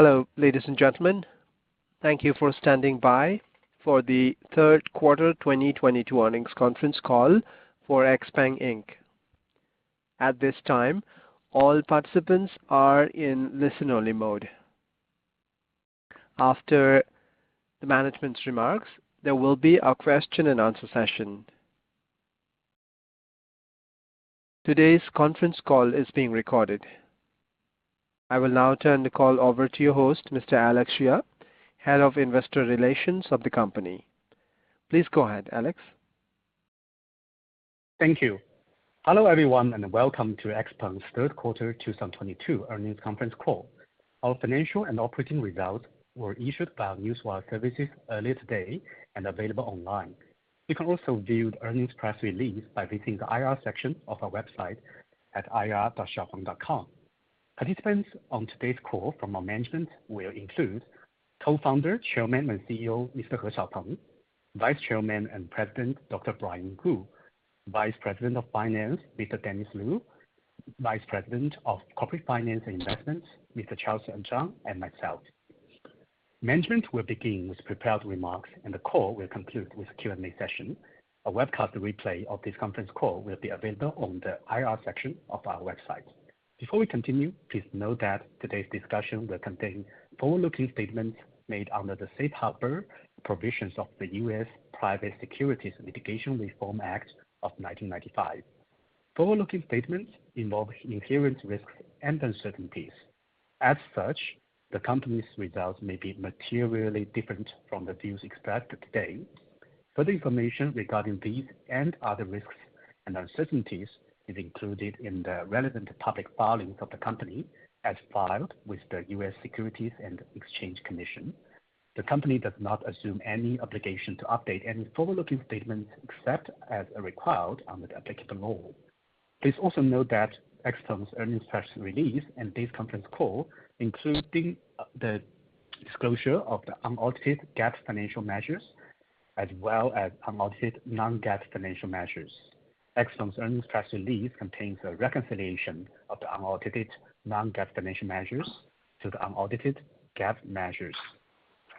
Hello, ladies and gentlemen. Thank you for standing by for the third quarter 2022 earnings conference call for XPeng Inc. At this time, all participants are in listen-only mode. After the management's remarks, there will be a question-and-answer session. Today's conference call is being recorded. I will now turn the call over to your host, Mr. Alex Xie, Head of Investor Relations of the company. Please go ahead, Alex. Thank you. Welcome to XPeng's third quarter 2022 earnings conference call. Our financial and operating results were issued by our Newswire services earlier today and available online. You can also view the earnings press release by visiting the IR section of our website at ir.xiaopeng.com. Participants on today's call from our management will include Co-founder, Chairman, and CEO, Ms. He Xiaopeng; Vice Chairman and President, Dr. Brian Gu; Vice President of Finance, Mr. Dennis Lu; Vice President of Corporate Finance and Investments, Mr. Charles Zhang; and myself. Management will begin with prepared remarks. The call will conclude with a Q&A session. A webcast replay of this conference call will be available on the IR section of our website. Before we continue, please note that today's discussion will contain forward-looking statements made under the safe harbor provisions of the U.S. Private Securities Litigation Reform Act of 1995. Forward-looking statements involve inherent risks and uncertainties. As such, the company's results may be materially different from the views expressed today. Further information regarding these and other risks and uncertainties is included in the relevant public filings of the company as filed with the U.S. Securities and Exchange Commission. The company does not assume any obligation to update any forward-looking statements, except as required under the applicable law. Please also note that XPeng's earnings press release and this conference call, including the disclosure of the unaudited GAAP financial measures as well as unaudited non-GAAP financial measures. XPeng's earnings press release contains a reconciliation of the unaudited non-GAAP financial measures to the unaudited GAAP measures.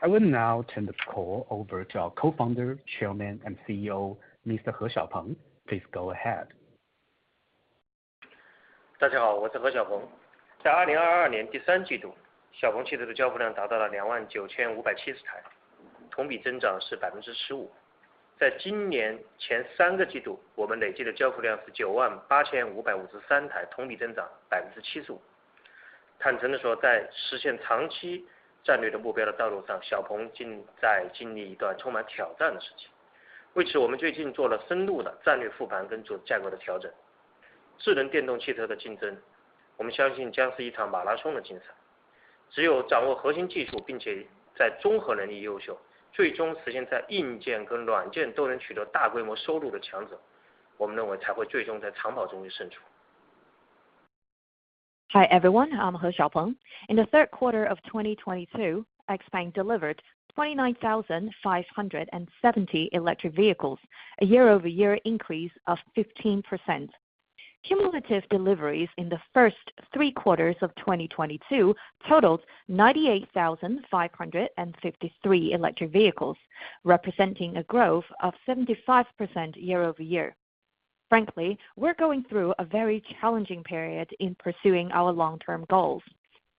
I will now turn the call over to our Co-founder, Chairman, and CEO, Ms. He Xiaopeng. Please go ahead. Hi, everyone. I'm He Xiaopeng. In the third quarter of 2022, XPeng delivered 29,570 electric vehicles, a year-over-year increase of 15%. Cumulative deliveries in the first three quarters of 2022 totaled 98,553 electric vehicles, representing a growth of 75% year-over-year. Frankly, we're going through a very challenging period in pursuing our long-term goals.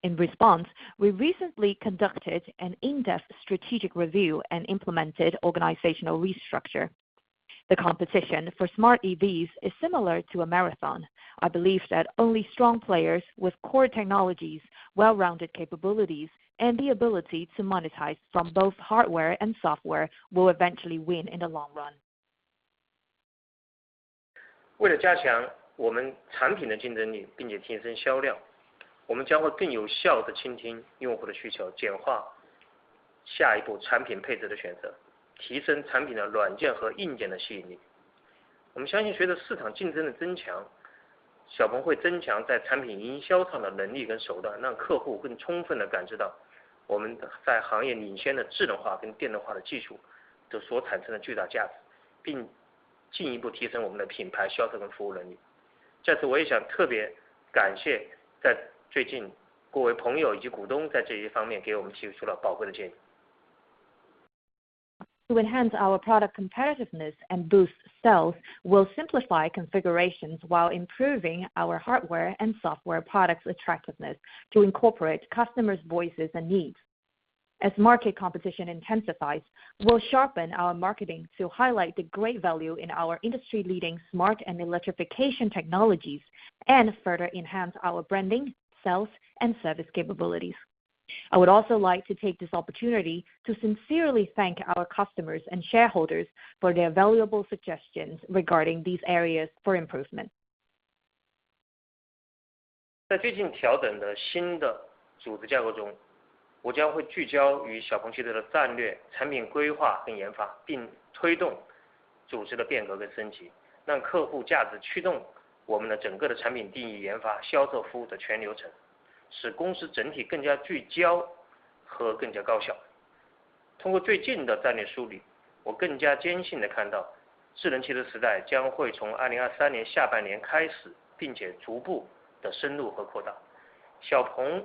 In response, we recently conducted an in-depth strategic review and implemented organizational restructure. The competition for smart EVs is similar to a marathon. I believe that only strong players with core technologies, well-rounded capabilities, and the ability to monetize from both hardware and software will eventually win in the long run. To enhance our product competitiveness and boost sales, we'll simplify configurations while improving our hardware and software products attractiveness to incorporate customers' voices and needs. As market competition intensifies, we'll sharpen our marketing to highlight the great value in our industry-leading smart and electrification technologies and further enhance our branding, sales, and service capabilities. I would also like to take this opportunity to sincerely thank our customers and shareholders for their valuable suggestions regarding these areas for improvement. 通过最近的战略梳 理， 我更加坚信地看 到， 智能汽车时代将会从2023年下半年开 始， 并且逐步地深入和扩大。XPeng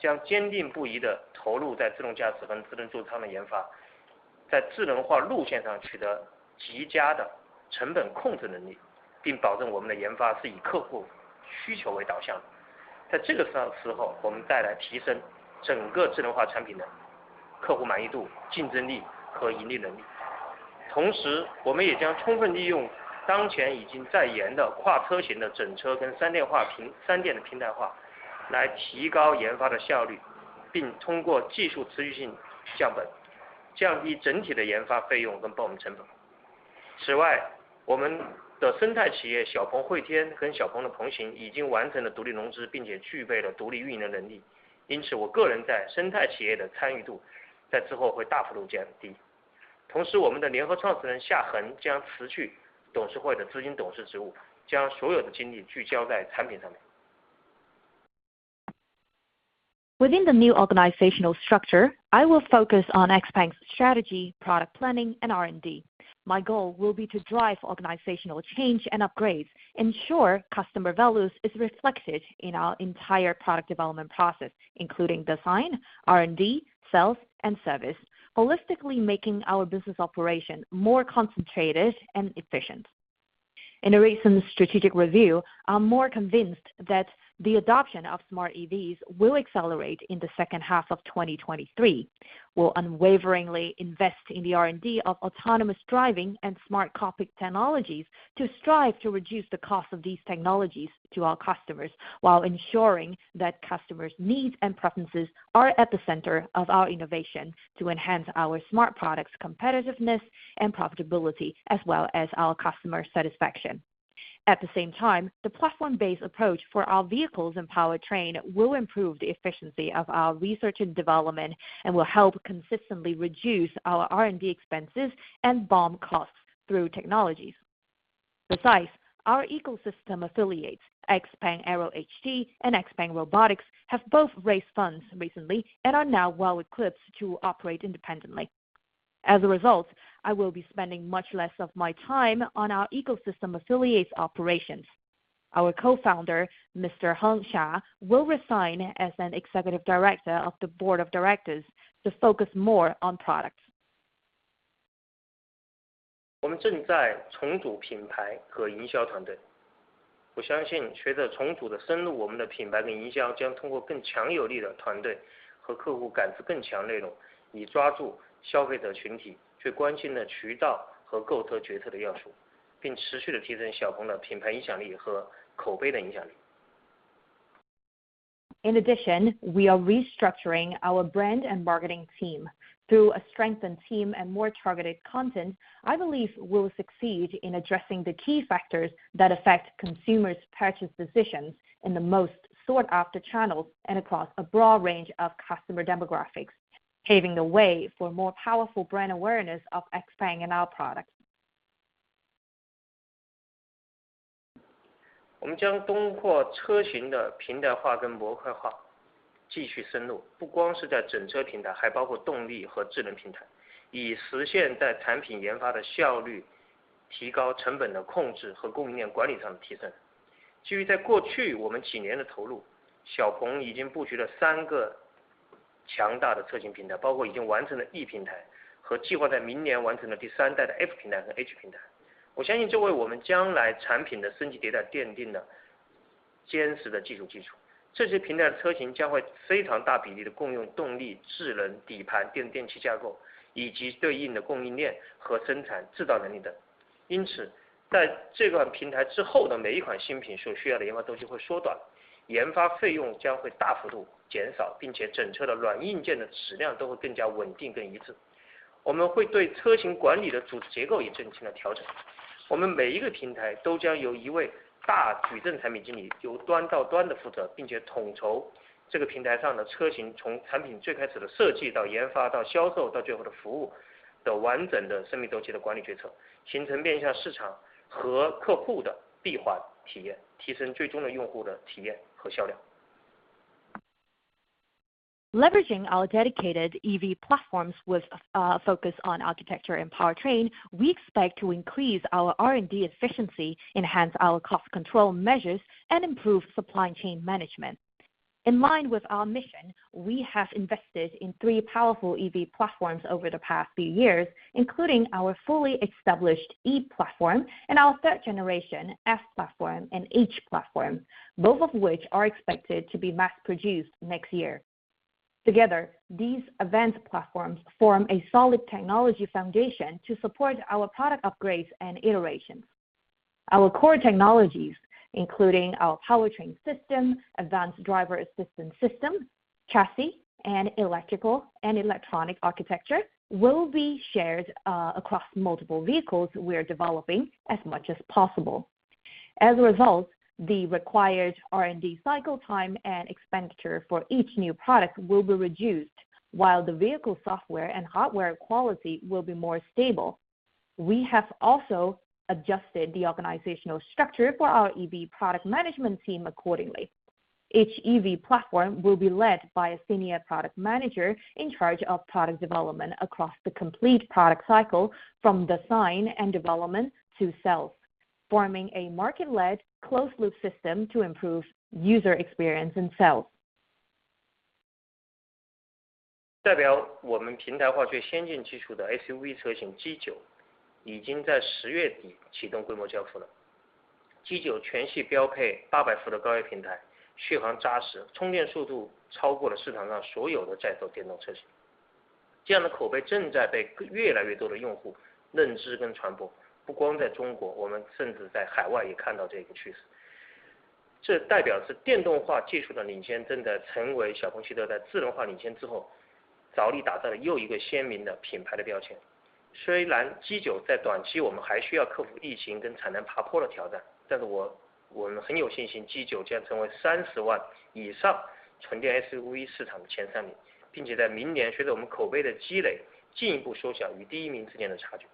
将坚定不移地投入在自动驾驶和智能座舱的研 发， 在智能化路线上取得极佳的成本控制能 力， 并保证我们的研发是以客户需求为导向。在这个时 候， 我们带来提升整个智能化产品的客户满意度、竞争力和盈利能力。我们也将充分利用当前已经在研的跨车型的整车跟三电化 平， 三电的平台 化， 来提高研发的效 率， 并通过技术持续性降 本， 降低整体的研发费用跟 BOM 成本。我们的生态企业 XPeng AeroHT 跟 XPeng Robotics 已经完成了独立融 资， 并且具备了独立运营的能力。我个人在生态企业的参与度在之后会大幅度降低。我们的联合创始人 Xia Heng 将辞去董事会的执行董事职 务， 将所有的精力聚焦在产品上面。Within the new organizational structure, I will focus on XPeng's strategy, product planning, and R&D. My goal will be to drive organizational change and upgrades, ensure customer values is reflected in our entire product development process, including design, R&D, sales, and service. Holistically making our business operation more concentrated and efficient. In a recent strategic review, I'm more convinced that the adoption of smart EVs will accelerate in the second half of 2023. We'll unwaveringly invest in the R&D of autonomous driving and smart cockpit technologies to strive to reduce the cost of these technologies to our customers, while ensuring that customers' needs and preferences are at the center of our innovation to enhance our smart products, competitiveness, and profitability, as well as our customer satisfaction. At the same time, the platform-based approach for our vehicles and powertrain will improve the efficiency of our research and development, and will help consistently reduce our R&D expenses and BOM costs through technologies. Besides, our ecosystem affiliates, XPeng AeroHT and XPeng Robotics, have both raised funds recently and are now well-equipped to operate independently. As a result, I will be spending much less of my time on our ecosystem affiliates' operations. Our co-founder, Mr. Xia Heng, will resign as an executive director of the board of directors to focus more on products. 我们正在重组品牌和营销团队。我相信随着重组的深 入， 我们的品牌跟营销将通过更强有力的团队和客户感知更强内 容， 以抓住消费者群体最关心的渠道和购车决策的要 素， 并持续地提升小鹏的品牌影响力和口碑的影响力。In addition, we are restructuring our brand and marketing team. Through a strengthened team and more targeted content, I believe we'll succeed in addressing the key factors that affect consumers' purchase decisions in the most sought-after channels and across a broad range of customer demographics, paving the way for more powerful brand awareness of XPeng and our products. 我们将通过车型的平台化跟模块化继续深 入， 不光是在整车平 台， 还包括动力和智能平 台， 以实现在产品研发的效率、提高成本的控制和供应链管理上的提升。基于在过去我们几年的投 入， 小鹏已经布局了三个强大的车型平 台， 包括已经完成了 E 平 台， 和计划在明年完成的第三代的 F 平台和 H 平台。我相信这为我们将来产品的升级迭代奠定了坚实的技术基础。这些平台的车型将会非常大比例地共用动力、智能底盘、电电气架 构， 以及对应的供应链和生产制造能力等。因 此， 在这款平台之后的每一款新品所需要的研发周期会缩短，研发费用将会大幅度减 少， 并且整车的软硬件的质量都会更加稳定更一致。我们会对车型管理的主结构也进行调整。我们每一个平台都将由一位大矩阵产品经理由端到端地负 责， 并且统筹这个平台上的车型从产品最开始的设计到研 发， 到销 售， 到最后的服 务， 的完整的生命周期的管理决 策， 形成面向市场和客户的闭环体 验， 提升最终的用户的体验和销量。Leveraging our dedicated EV platforms with a focus on architecture and powertrain, we expect to increase our R&D efficiency, enhance our cost control measures, and improve supply chain management. In line with our mission, we have invested in three powerful EV platforms over the past few years, including our fully established E platform and our third generation F platform and H platform, both of which are expected to be mass-produced next year. Together, these event platforms form a solid technology foundation to support our product upgrades and iterations. Our core technologies, including our powertrain system, advanced driver assistance system, chassis, and electrical and electronic architecture, will be shared across multiple vehicles we're developing as much as possible. As a result, the required R&D cycle time and expenditure for each new product will be reduced. While the vehicle software and hardware quality will be more stable. We have also adjusted the organizational structure for our EV product management team accordingly. Each EV platform will be led by a senior product manager in charge of product development across the complete product cycle from design and development to sales, forming a market-led closed-loop system to improve user experience and sales. 代表我们平台化最先进技术的 SUV 车型 G9 已经在十月底启动规模交付了。G9 全系标配八百伏的高压平 台， 续航扎 实， 充电速度超过了市场上所有的在售电动车型。这样的口碑正在被越来越多的用户认知跟传播。不光在中 国， 我们甚至在海外也看到这个趋势。这代表着电动化技术的领 先， 正在成为小鹏汽车在智能化领先之 后， 着力打造的又一个鲜明的品牌的标签。虽然 G9 在短期我们还需要克服疫情跟产能爬坡的挑 战， 但是 我， 我们很有信心 ，G9 将成为三十万以上纯电 SUV 市场的前三 名， 并且在明年随着我们口碑的积 累， 进一步缩小与第一名之间的差距。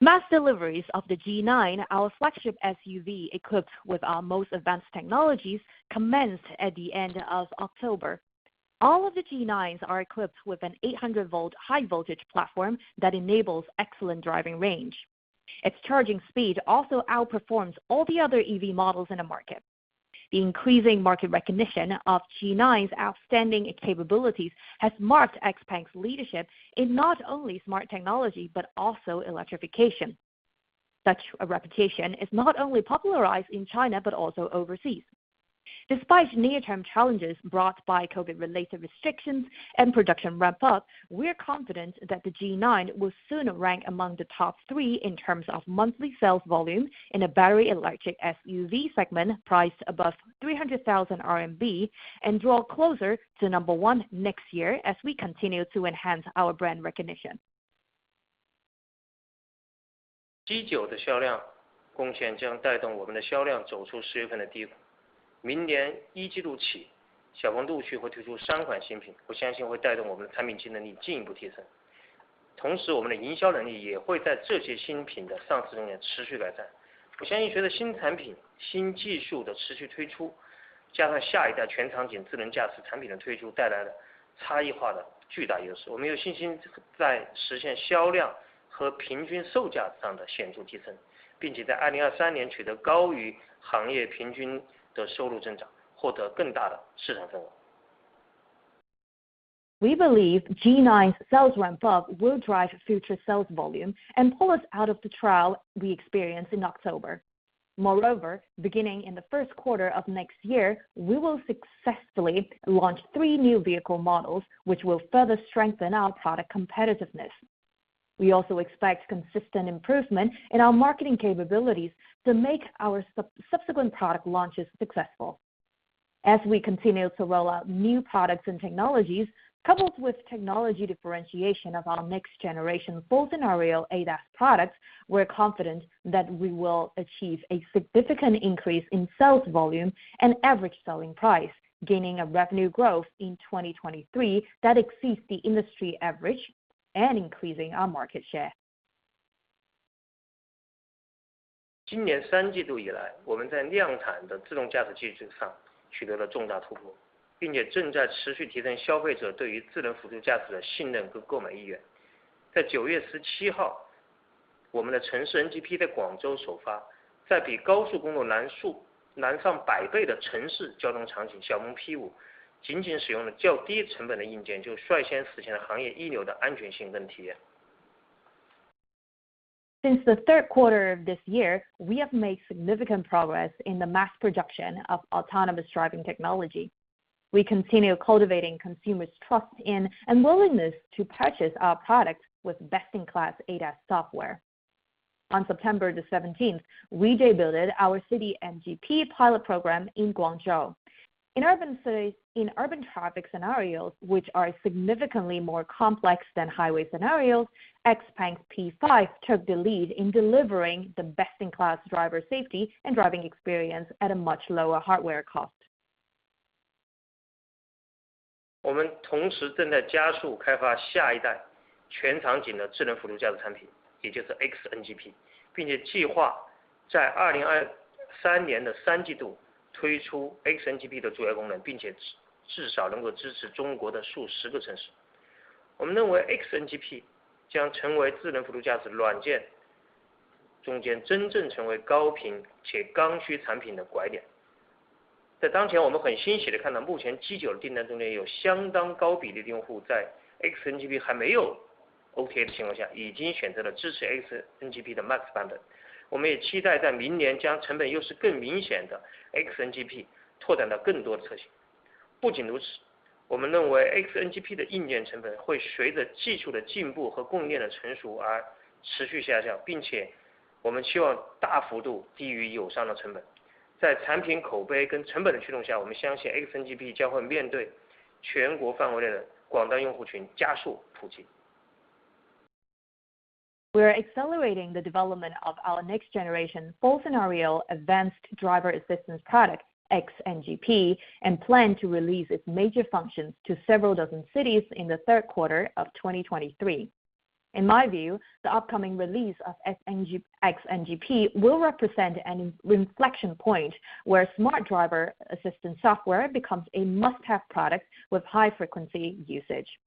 Mass deliveries of the G9, our flagship SUV equipped with our most advanced technologies, commenced at the end of October. All of the G9s are equipped with an 800 volt high voltage platform that enables excellent driving range. Its charging speed also outperforms all the other EV models in the market. The increasing market recognition of G9's outstanding capabilities has marked XPeng's leadership in not only smart technology, but also electrification. Such a reputation is not only popularized in China, but also overseas. Despite near-term challenges brought by COVID-related restrictions and production ramp up, we are confident that the G9 will soon rank among the top 3 in terms of monthly sales volume in a battery electric SUV segment priced above 300,000 RMB and draw closer to number 1 next year as we continue to enhance our brand recognition. G9 的销量贡献将带动我们的销量走出十月份的低谷。明年一季度 起， 小鹏陆续会推出三款新 品， 我相信会带动我们的产品竞争力进一步提升。同时我们的营销能力也会在这些新品的上市过程中持续改善。我相信随着新产品、新技术的持续推 出， 加上下一代全场景智能驾驶产品的推出带来的差异化的巨大优 势， 我们有信心在实现销量和平均售价上的显著提 升， 并且在二零二三年取得高于行业平均的收入增 长， 获得更大的市场份额。We believe G9 sales ramp up will drive future sales volume and pull us out of the trough we experienced in October. Beginning in the first quarter of next year, we will successfully launch three new vehicle models, which will further strengthen our product competitiveness. We also expect consistent improvement in our marketing capabilities to make our sub-subsequent product launches successful. We continue to roll out new products and technologies, coupled with technology differentiation of our next generation full scenario ADAS products, we're confident that we will achieve a significant increase in sales volume and average selling price, gaining a revenue growth in 2023 that exceeds the industry average and increasing our market share. 今年三季度以 来， 我们在量产的自动驾驶技术上取得了重大突 破， 并且正在持续提升消费者对于智能辅助驾驶的信任跟购买意愿。在九月十七 号， 我们的城市 NGP 在广州首发。在比高速公路难数--难上百倍的城市交通场 景， 小鹏 P5 仅仅使用了较低成本的硬 件， 就率先实现了行业一流的安全性跟体验。Since the third quarter of this year, we have made significant progress in the mass production of autonomous driving technology. We continue cultivating consumers' trust in and willingness to purchase our products with best-in-class ADAS software. On September the 17th, we debuted our City NGP pilot program in Guangzhou. In urban traffic scenarios, which are significantly more complex than highway scenarios, XPeng P5 took the lead in delivering the best-in-class driver safety and driving experience at a much lower hardware cost. 我们同时正在加速开发下一代全场景的智能辅助驾驶产 品， 也就是 XNGP， 并且计划在二零二三年的三季度推出 XNGP 的主要功 能， 并且 至， 至少能够支持中国的数十个城市。我们认为 XNGP 将成为智能辅助驾驶软件中间真正成为高频且刚需产品的拐点。在当 前， 我们很欣喜地看到目前 G9 的订单中有相当高比例的用户在 XNGP 还没有 OK 的情况 下， 已经选择了支持 XNGP 的 Max 版本。我们也期待在明年将成本优势更明显的 XNGP 拓展到更多的车型。不仅如 此， 我们认为 XNGP 的硬件成本会随着技术的进步和供应链的成熟而持续下 降， 并且我们期望大幅度低于友商的成本。在产品口碑跟成本的驱动 下， 我们相信 XNGP 将会面对全国范围内的广大用户群加速普及。We are accelerating the development of our next generation full scenario advanced driver assistance product, XNGP, and plan to release its major functions to several dozen cities in the third quarter of 2023. In my view, the upcoming release of XNGP will represent an inflection point where smart driver assistance software becomes a must-have product with high frequency usage.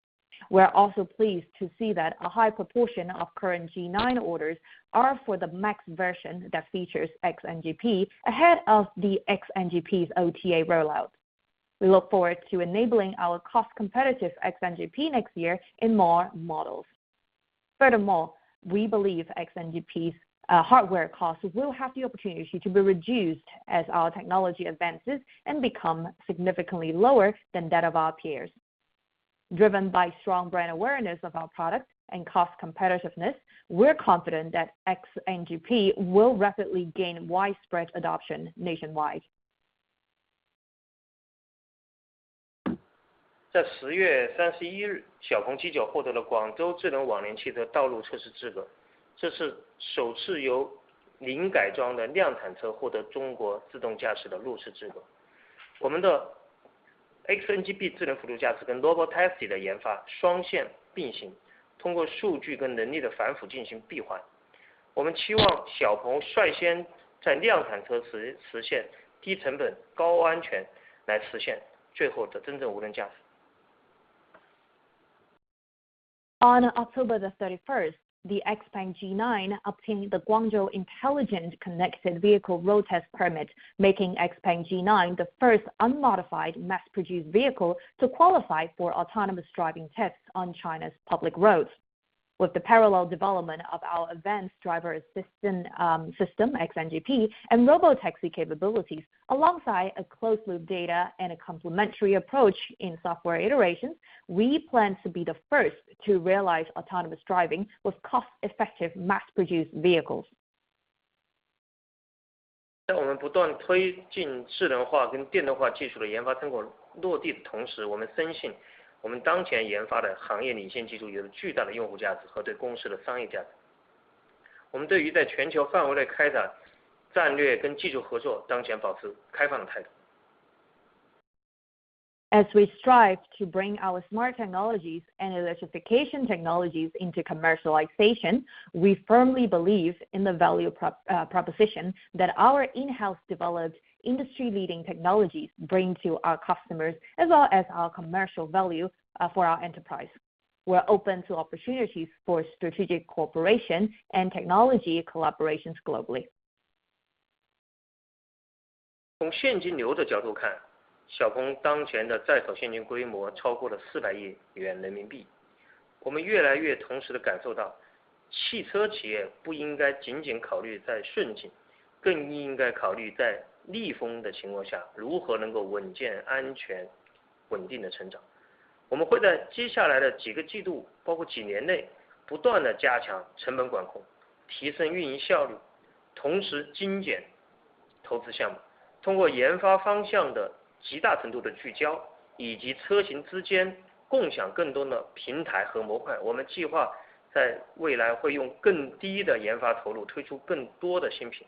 We are also pleased to see that a high proportion of current G9 orders are for the Max version that features XNGP ahead of the XNGP's OTA rollout. We look forward to enabling our cost competitive XNGP next year in more models. Furthermore, we believe XNGP's hardware costs will have the opportunity to be reduced as our technology advances and become significantly lower than that of our peers. Driven by strong brand awareness of our product and cost competitiveness, we're confident that XNGP will rapidly gain widespread adoption nationwide. 在十月三十一 日， 小鹏 G9 获得了广州智能网联汽车道路测试资 格， 这是首次由零改装的量产车获得中国自动驾驶的路试资格。我们的 XNGP 智能辅助驾驶跟 Robotaxi 的研发双线并 行， 通过数据跟能力的反复进行闭环。我们期望小鹏率先在量产车实-实现低成本高安全来实现最后的真正无人驾驶。On October the 31st, the XPeng G9 obtained the Guangzhou Intelligent Connected Vehicle Road Test Permit, making XPeng G9 the first unmodified mass-produced vehicle to qualify for autonomous driving tests on China's public roads. With the parallel development of our advanced driver assistant system, XNGP, and Robotaxi capabilities alongside a closed loop data and a complementary approach in software iterations, we plan to be the first to realize autonomous driving with cost-effective mass-produced vehicles. 在我们不断推进智能化跟电动化技术的研发成果落地的 同时， 我们深信我们当前研发的行业领先技术有着巨大的用户价值和对公司的商业价值。我们对于在全球范围内开展战略跟技术 合作， 当前保持开放的态度。As we strive to bring our smart technologies and electrification technologies into commercialization, we firmly believe in the value proposition that our in-house developed industry leading technologies bring to our customers, as well as our commercial value for our enterprise. We are open to opportunities for strategic cooperation and technology collaborations globally. 从现金流的角度 看， 小鹏当前的在手现金规模超过了四百亿元人民币。我们越来越同时地感受到汽车企业不应该仅仅考虑在顺 境， 更应该考虑在逆风的情况下如何能够稳健、安全、稳定地成长。我们会在接下来的几个季 度， 包括几年内不断地加强成本管 控， 提升运营效 率， 同时精简投资项 目， 通过研发方向的极大程度的聚 焦， 以及车型之间共享更多的平台和模块。我们计划在未来会用更低的研发投入推出更多的新品，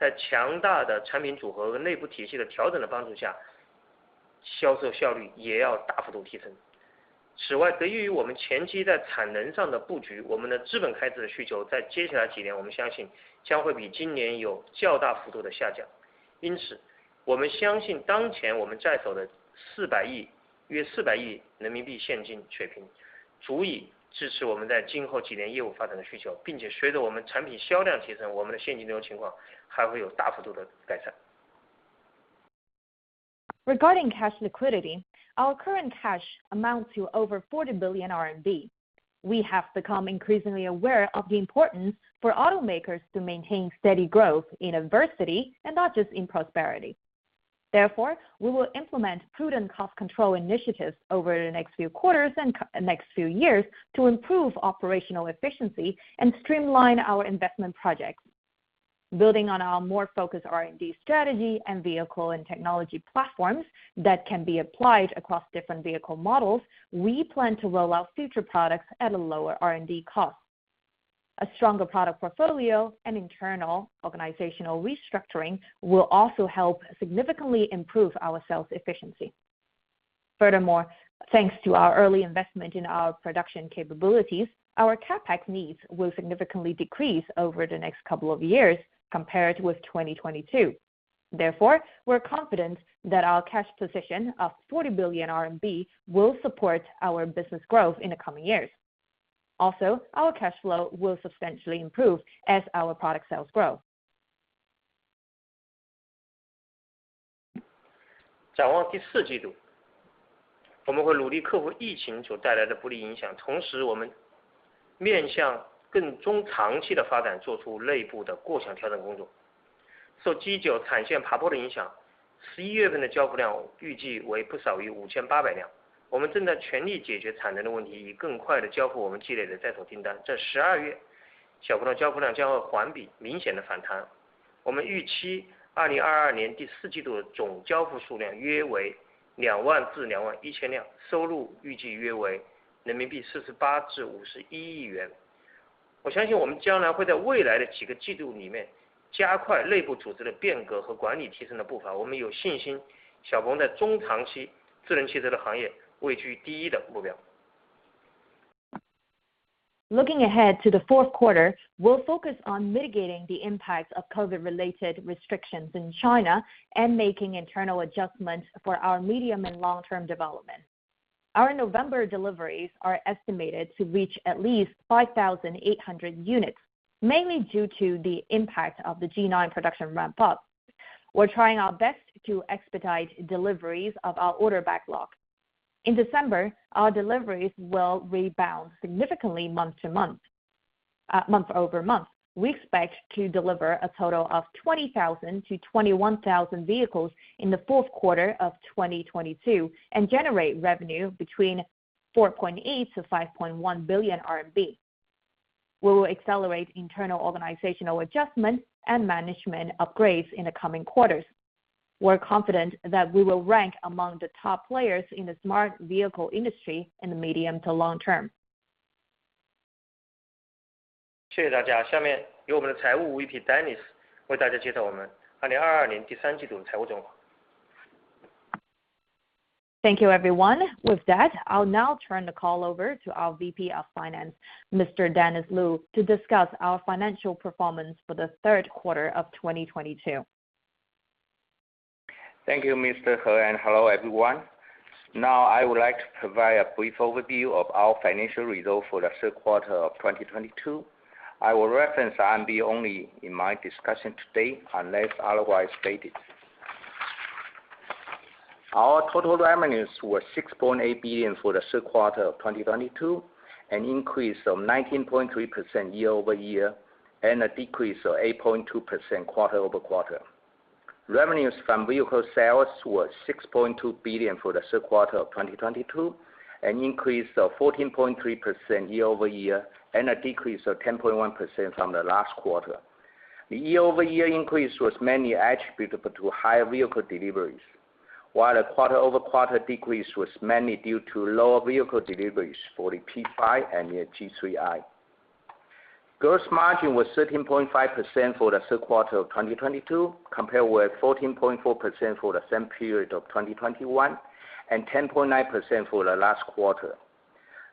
在强大的产品组合和内部体系的调整的帮助 下， 销售效率也要大幅度提升。此 外， 得益于我们前期在产能上的布 局， 我们的资本开支的需求在接下来几年我们相信将会比今年有较大幅度的下降。因 此， 我们相信当前我们在手的四百 亿， 约四百亿人民币现金水平足以支持我们在今后几年业务发展的需 求， 并且随着我们产品销量提 升， 我们的现金流情况还会有大幅度的改善。Regarding cash liquidity, our current cash amounts to over 40 billion RMB. We have become increasingly aware of the importance for automakers to maintain steady growth in adversity and not just in prosperity. Therefore, we will implement prudent cost control initiatives over the next few quarters and next few years to improve operational efficiency and streamline our investment projects. Building on our more focused R&D strategy and vehicle and technology platforms that can be applied across different vehicle models, we plan to roll out future products at a lower R&D cost. A stronger product portfolio and internal organizational restructuring will also help significantly improve our sales efficiency. Furthermore, thanks to our early investment in our production capabilities, our CapEx needs will significantly decrease over the next couple of years compared with 2022. We're confident that our cash position of 40 billion RMB will support our business growth in the coming years. Our cash flow will substantially improve as our product sales grow. 展望第四季度，我们会努力克服疫情所带来的不利影响，同时我们面向更中长期的发展，做出内部的构想调整工作。受 G9 产线爬坡的影响，11月份的交付量预计为不少于 5,800 辆。我们正在全力解决产能的问题，以更快地交付我们积累的在手订单。在12月，XPeng 的交付量将会环比明显的反弹。我们预期 2022 年第四季度的总交付数量约为 20,000-21,000 辆，收入预计约为 CNY 4.8 billion-CNY 5.1 billion。I believe that in the coming quarters, we will continue to accelerate our internal organizational changes and management improvements. We are confident that XPeng will be among the top players in the smart vehicle industry in the medium to long term. Looking ahead to the fourth quarter, we'll focus on mitigating the impacts of COVID-related restrictions in China and making internal adjustments for our medium and long-term development. Our November deliveries are estimated to reach at least 5,800 units, mainly due to the impact of the G9 production ramp up. We're trying our best to expedite deliveries of our order backlog. In December, our deliveries will rebound significantly month to month over month. We expect to deliver a total of 20,000-21,000 vehicles in the fourth quarter of 2022 and generate revenue between 4.8 billion-5.1 billion RMB. We will accelerate internal organizational adjustments and management upgrades in the coming quarters. We're confident that we will rank among the top players in the smart vehicle industry in the medium to long term. Thank you, everyone. With that, I'll now turn the call over to our VP of Finance, Mr. Dennis Lu, to discuss our financial performance for the third quarter of 2022. Thank you, Ms. He. Hello, everyone. Now I would like to provide a brief overview of our financial results for the third quarter of 2022. I will reference RMB only in my discussion today, unless otherwise stated. Our total revenues were 6.8 billion for the third quarter of 2022, an increase of 19.3% year-over-year, and a decrease of 8.2% quarter-over-quarter. Revenues from vehicle sales were 6.2 billion for the third quarter of 2022, an increase of 14.3% year-over-year, and a decrease of 10.1% from the last quarter. The year-over-year increase was mainly attributable to higher vehicle deliveries, while the quarter-over-quarter decrease was mainly due to lower vehicle deliveries for the P5 and the G3i. Gross margin was 13.5% for the third quarter of 2022, compared with 14.4% for the same period of 2021, and 10.9% for the last quarter.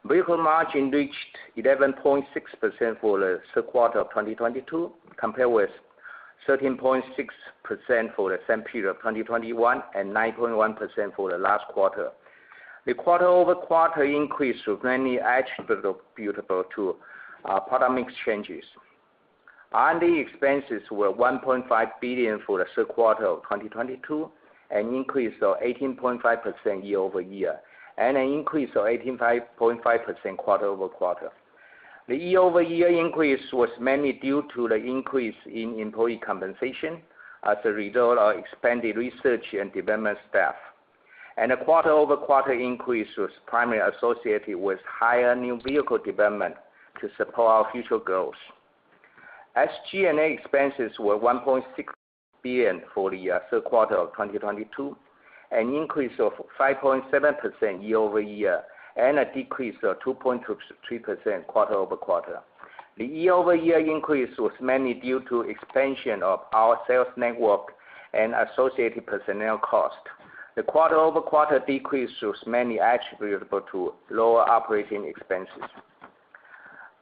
Vehicle margin reached 11.6% for the third quarter of 2022, compared with 13.6% for the same period of 2021, and 9.1% for the last quarter. The quarter-over-quarter increase was mainly attributable to product mix changes. R&D expenses were 1.5 billion for the third quarter of 2022, an increase of 18.5% year-over-year, and an increase of 18.5% quarter-over-quarter. The year-over-year increase was mainly due to the increase in employee compensation as a result of expanded research and development staff, and the quarter-over-quarter increase was primarily associated with higher new vehicle development to support our future growth. SG&A expenses were 1.6 billion for the 3rd quarter of 2022, an increase of 5.7% year-over-year and a decrease of 2.3% quarter-over-quarter. The year-over-year increase was mainly due to expansion of our sales network and associated personnel costs. The quarter-over-quarter decrease was mainly attributable to lower operating expenses.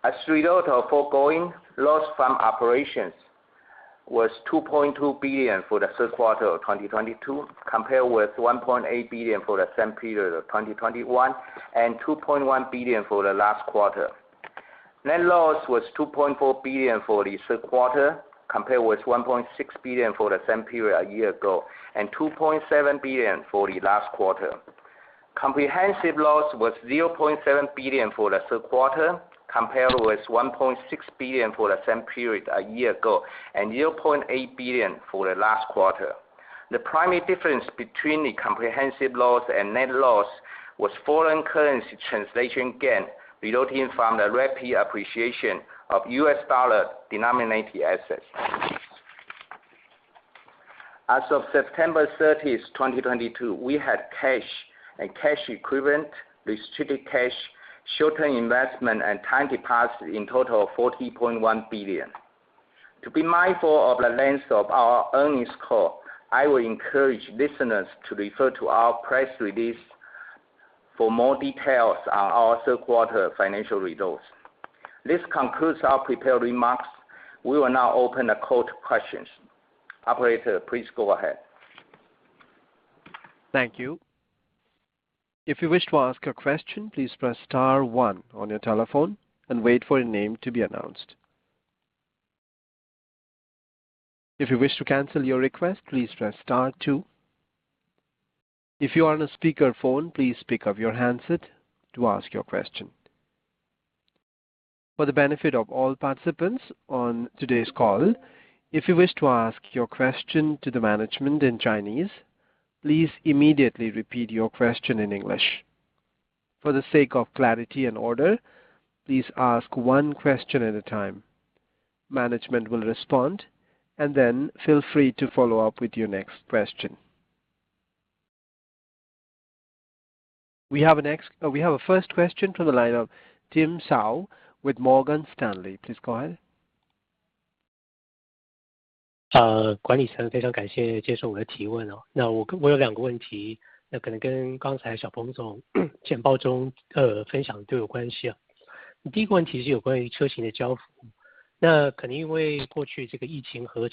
As a result of foregoing, loss from operations was 2.2 billion for the 3rd quarter of 2022, compared with 1.8 billion for the same period of 2021, and 2.1 billion for the last quarter. Net loss was 2.4 billion for the third quarter, compared with 1.6 billion for the same period a year ago, and 2.7 billion for the last quarter. Comprehensive loss was 0.7 billion for the third quarter, compared with 1.6 billion for the same period a year ago, and 0.8 billion for the last quarter. The primary difference between the comprehensive loss and net loss was foreign currency translation gain resulting from the rapid appreciation of U.S. dollar-denominated assets. As of September 30th, 2022, we had cash and cash equivalent restricted cash, short-term investment, and time deposits in total of 40.1 billion. To be mindful of the length of our earnings call, I will encourage listeners to refer to our press release for more details on our third quarter financial results. This concludes our prepared remarks. We will now open the call to questions. Operator, please go ahead. Thank you. If you wish to ask a question, please press star one on your telephone and wait for your name to be announced. If you wish to cancel your request, please press star two. If you are on a speaker phone, please pick up your handset to ask your question. For the benefit of all participants on today's call, if you wish to ask your question to the management in Chinese, please immediately repeat your question in English. For the sake of clarity and order, please ask one question at a time. Management will respond, then feel free to follow up with your next question. We have a first question from the line of Tim Hsiao with Morgan Stanley. Please go ahead. 呃， 管理层非常感谢接受我的提问哦。那 我， 我有两个问 题， 那可能跟刚才小鹏总简报中 呃， 分享都有关系啊。第一个问题是有关于车型的交 付， 那可能因为过去这个疫情和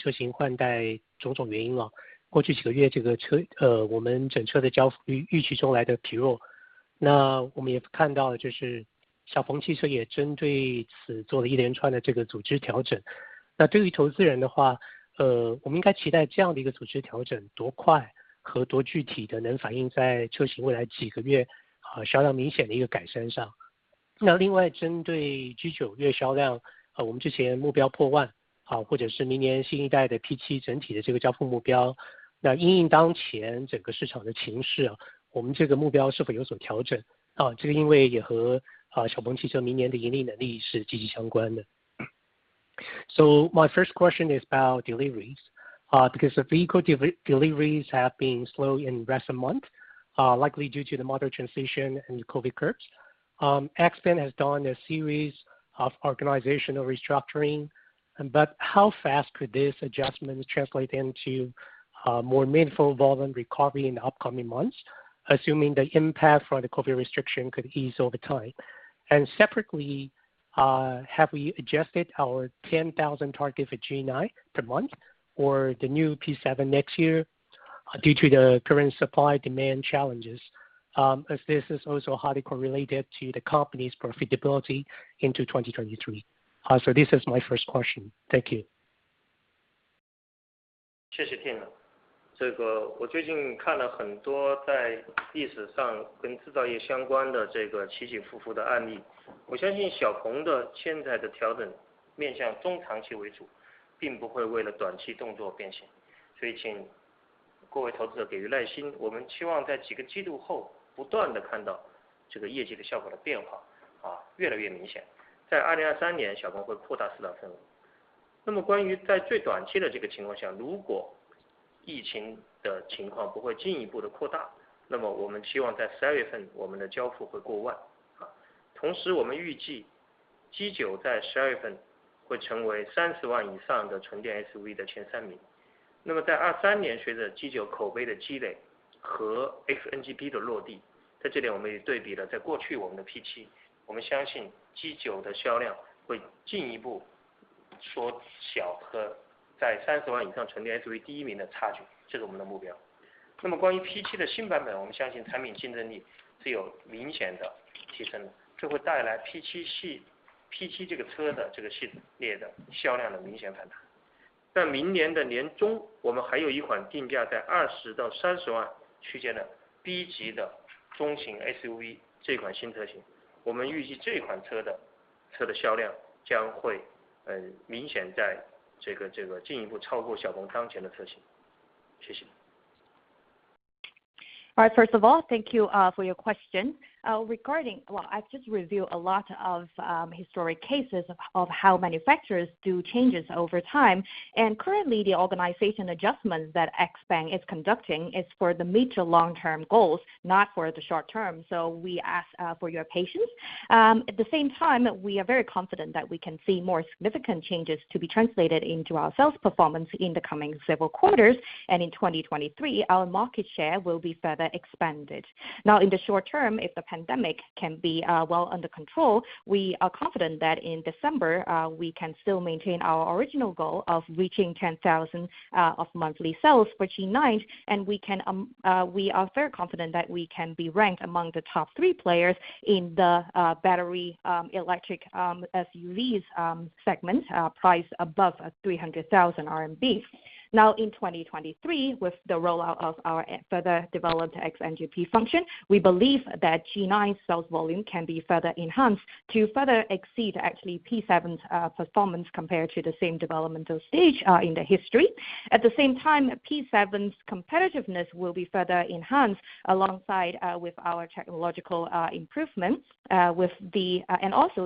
月销量，我们之前目标破 10,000，或者是明年新一代的 P7 整体的这个交付目标，因应当前整个市场的情势，我们这个目标是否有所调整，这个因为也和 XPeng 明年的盈利能力是息息相关的。My first question is about deliveries, because the vehicle deliveries have been slow in recent month, likely due to the model transition and COVID curbs. XPeng has done a series of organizational restructuring, how fast could this adjustment translate into more meaningful volume recovery in the upcoming months, assuming the impact for the COVID restriction could ease over time? Separately, have we adjusted our 10,000 target for G9 per month or the new P7 next year due to the current supply demand challenges? As this is also highly correlated to the company's profitability into 2023. This is my first question. Thank you. 谢谢 Tim。这个我最近看了很多在历史上跟制造业相关的这个起起伏伏的案 例， 我相信小鹏的现在的调整面向中长期为 主， 并不会为了短期动作变现。所以请各位投资者给予耐 心， 我们期望在几个季度后不断地看到这个业绩的效果的变 化， 啊， 越来越明显。在2023 年， 小鹏会扩大市场份额。那么关于在最短期的这个情况 下， 如果疫情的情况不会进一步的扩 大， 那么我们期望在十二月份我们的交付会过 万， 啊。同时我们预计 G9 在十二月份会成为三十万以上的纯电 SUV 的前三名。那么在二三 年， 随着 G9 口碑的积累和 XNGP 的落 地， 在这点我们也对比 了， 在过去我们的 P7， 我们相信 G9 的销量会进一步缩小和在三十万以上纯电 SUV 第一名的差 距， 这是我们的目标。那么关于 P7 的新版 本， 我们相信产品竞争力是有明显的提 升， 这会带来 P7 系. P7 这个车的这个系列的销量的明显反弹。在明年的年 中， 我们还有一款定价在二十到三十万区间的低级的中型 SUV 这款新车 型， 我们预计这款车的车的销量将 会， 呃， 明显在这 个， 这个进一步超过小鹏当前的车型。谢谢。All right. First of all, thank you for your question. Regarding well, I've just reviewed a lot of historic cases of how manufacturers do changes over time. Currently, the organization adjustments that XPeng is conducting is for the mid to long term goals, not for the short term. We ask for your patience. At the same time, we are very confident that we can see more significant changes to be translated into our sales performance in the coming several quarters. In 2023, our market share will be further expanded. Now, in the short term, if the pandemic can be well under control, we are confident that in December, we can still maintain our original goal of reaching 10,000 of monthly sales for G9, and we can, we are very confident that we can be ranked among the top three players in the battery electric SUVs segment, priced above 300,000 RMB. Now in 2023, with the rollout of our further developed XNGP function, we believe that G9 sales volume can be further enhanced to further exceed actually P7's performance compared to the same developmental stage in the history. At the same time, P7's competitiveness will be further enhanced alongside with our technological improvements, with the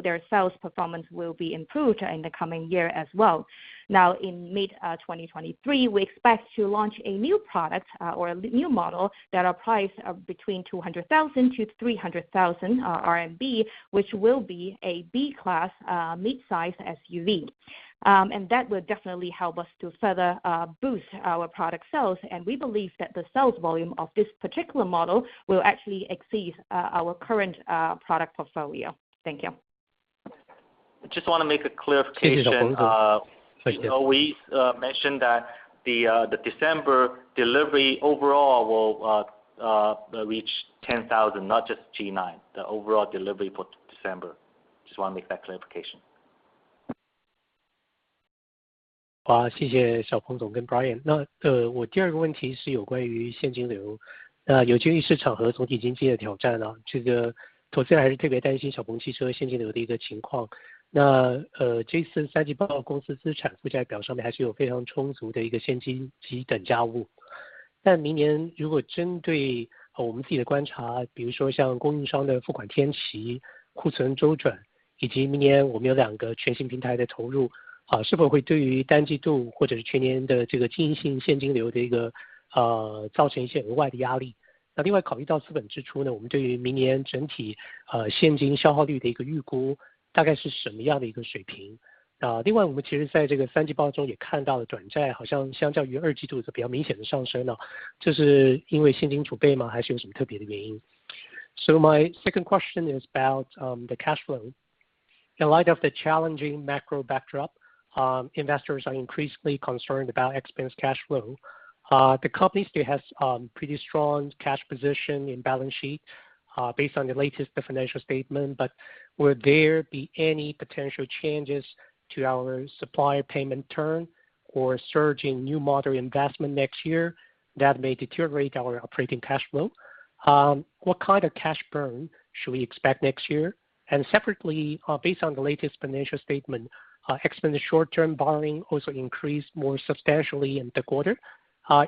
their sales performance will be improved in the coming year as well. Now, in mid-2023, we expect to launch a new product, or a new model that are priced, between 200,000-300,000 RMB, which will be a B-class midsize SUV. That will definitely help us to further boost our product sales. We believe that the sales volume of this particular model will actually exceed our current product portfolio. Thank you. I just want to make a clarification. We mentioned that the December delivery overall will reach 10,000, not just G9, the overall delivery for December. Just want to make that clarification. 好， 谢谢小鹏总跟 Brian。我第二个问题是有关于现金流。有鉴于市场和总体经济的挑 战， 这个投资人还是特别担心小鹏汽车现金流的一个情况。这次三季报公司资产负债表上面还是有非常充足的一个现金及等价 物， 但明年如果针对我们自己的观 察， 比如说像供应商的付款天期、库存周转以及明年我们有2个全新平台在投 入， 是否会对于单季度或者是全年的这个经营性现金流的一个造成一些额外的压力。另外考虑到资本支出 呢， 我们对于明年整体现金消耗率的一个预估大概是什么样的一个水平。另外我们其实在这个三季报中也看到了短债好像相较于二季度是比较明显的上升 了， 这是因为现金储备 吗？ 还是有什么特别的原 因？ My second question is about the cash flow. In light of the challenging macro backdrop, investors are increasingly concerned about XPeng's cash flow. The company still has pretty strong cash position in balance sheet, based on the latest financial statement, but will there be any potential changes to our supplier payment term or surge in new model investment next year that may deteriorate our operating cash flow? What kind of cash burn should we expect next year? Separately, based on the latest financial statement, XPeng's short-term borrowing also increased more substantially in the quarter.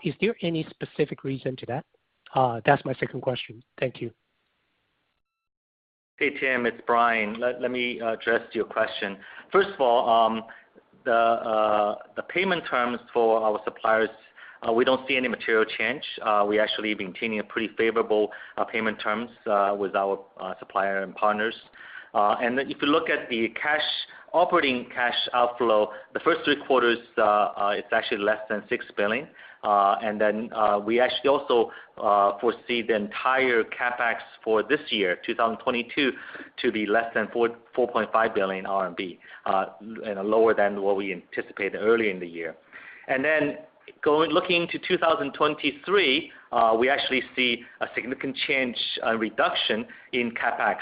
Is there any specific reason to that? That's my second question. Thank you. Hey, Tim, it's Brian. Let me address your question. First of all, the payment terms for our suppliers, we don't see any material change. We actually maintaining a pretty favorable payment terms with our supplier and partners. If you look at the cash, operating cash outflow, the first three quarters, it's actually less than 6 billion. We actually also foresee the entire CapEx for this year, 2022, to be less than 4.5 billion RMB, and lower than what we anticipated earlier in the year. Looking into 2023, we actually see a significant change, reduction in CapEx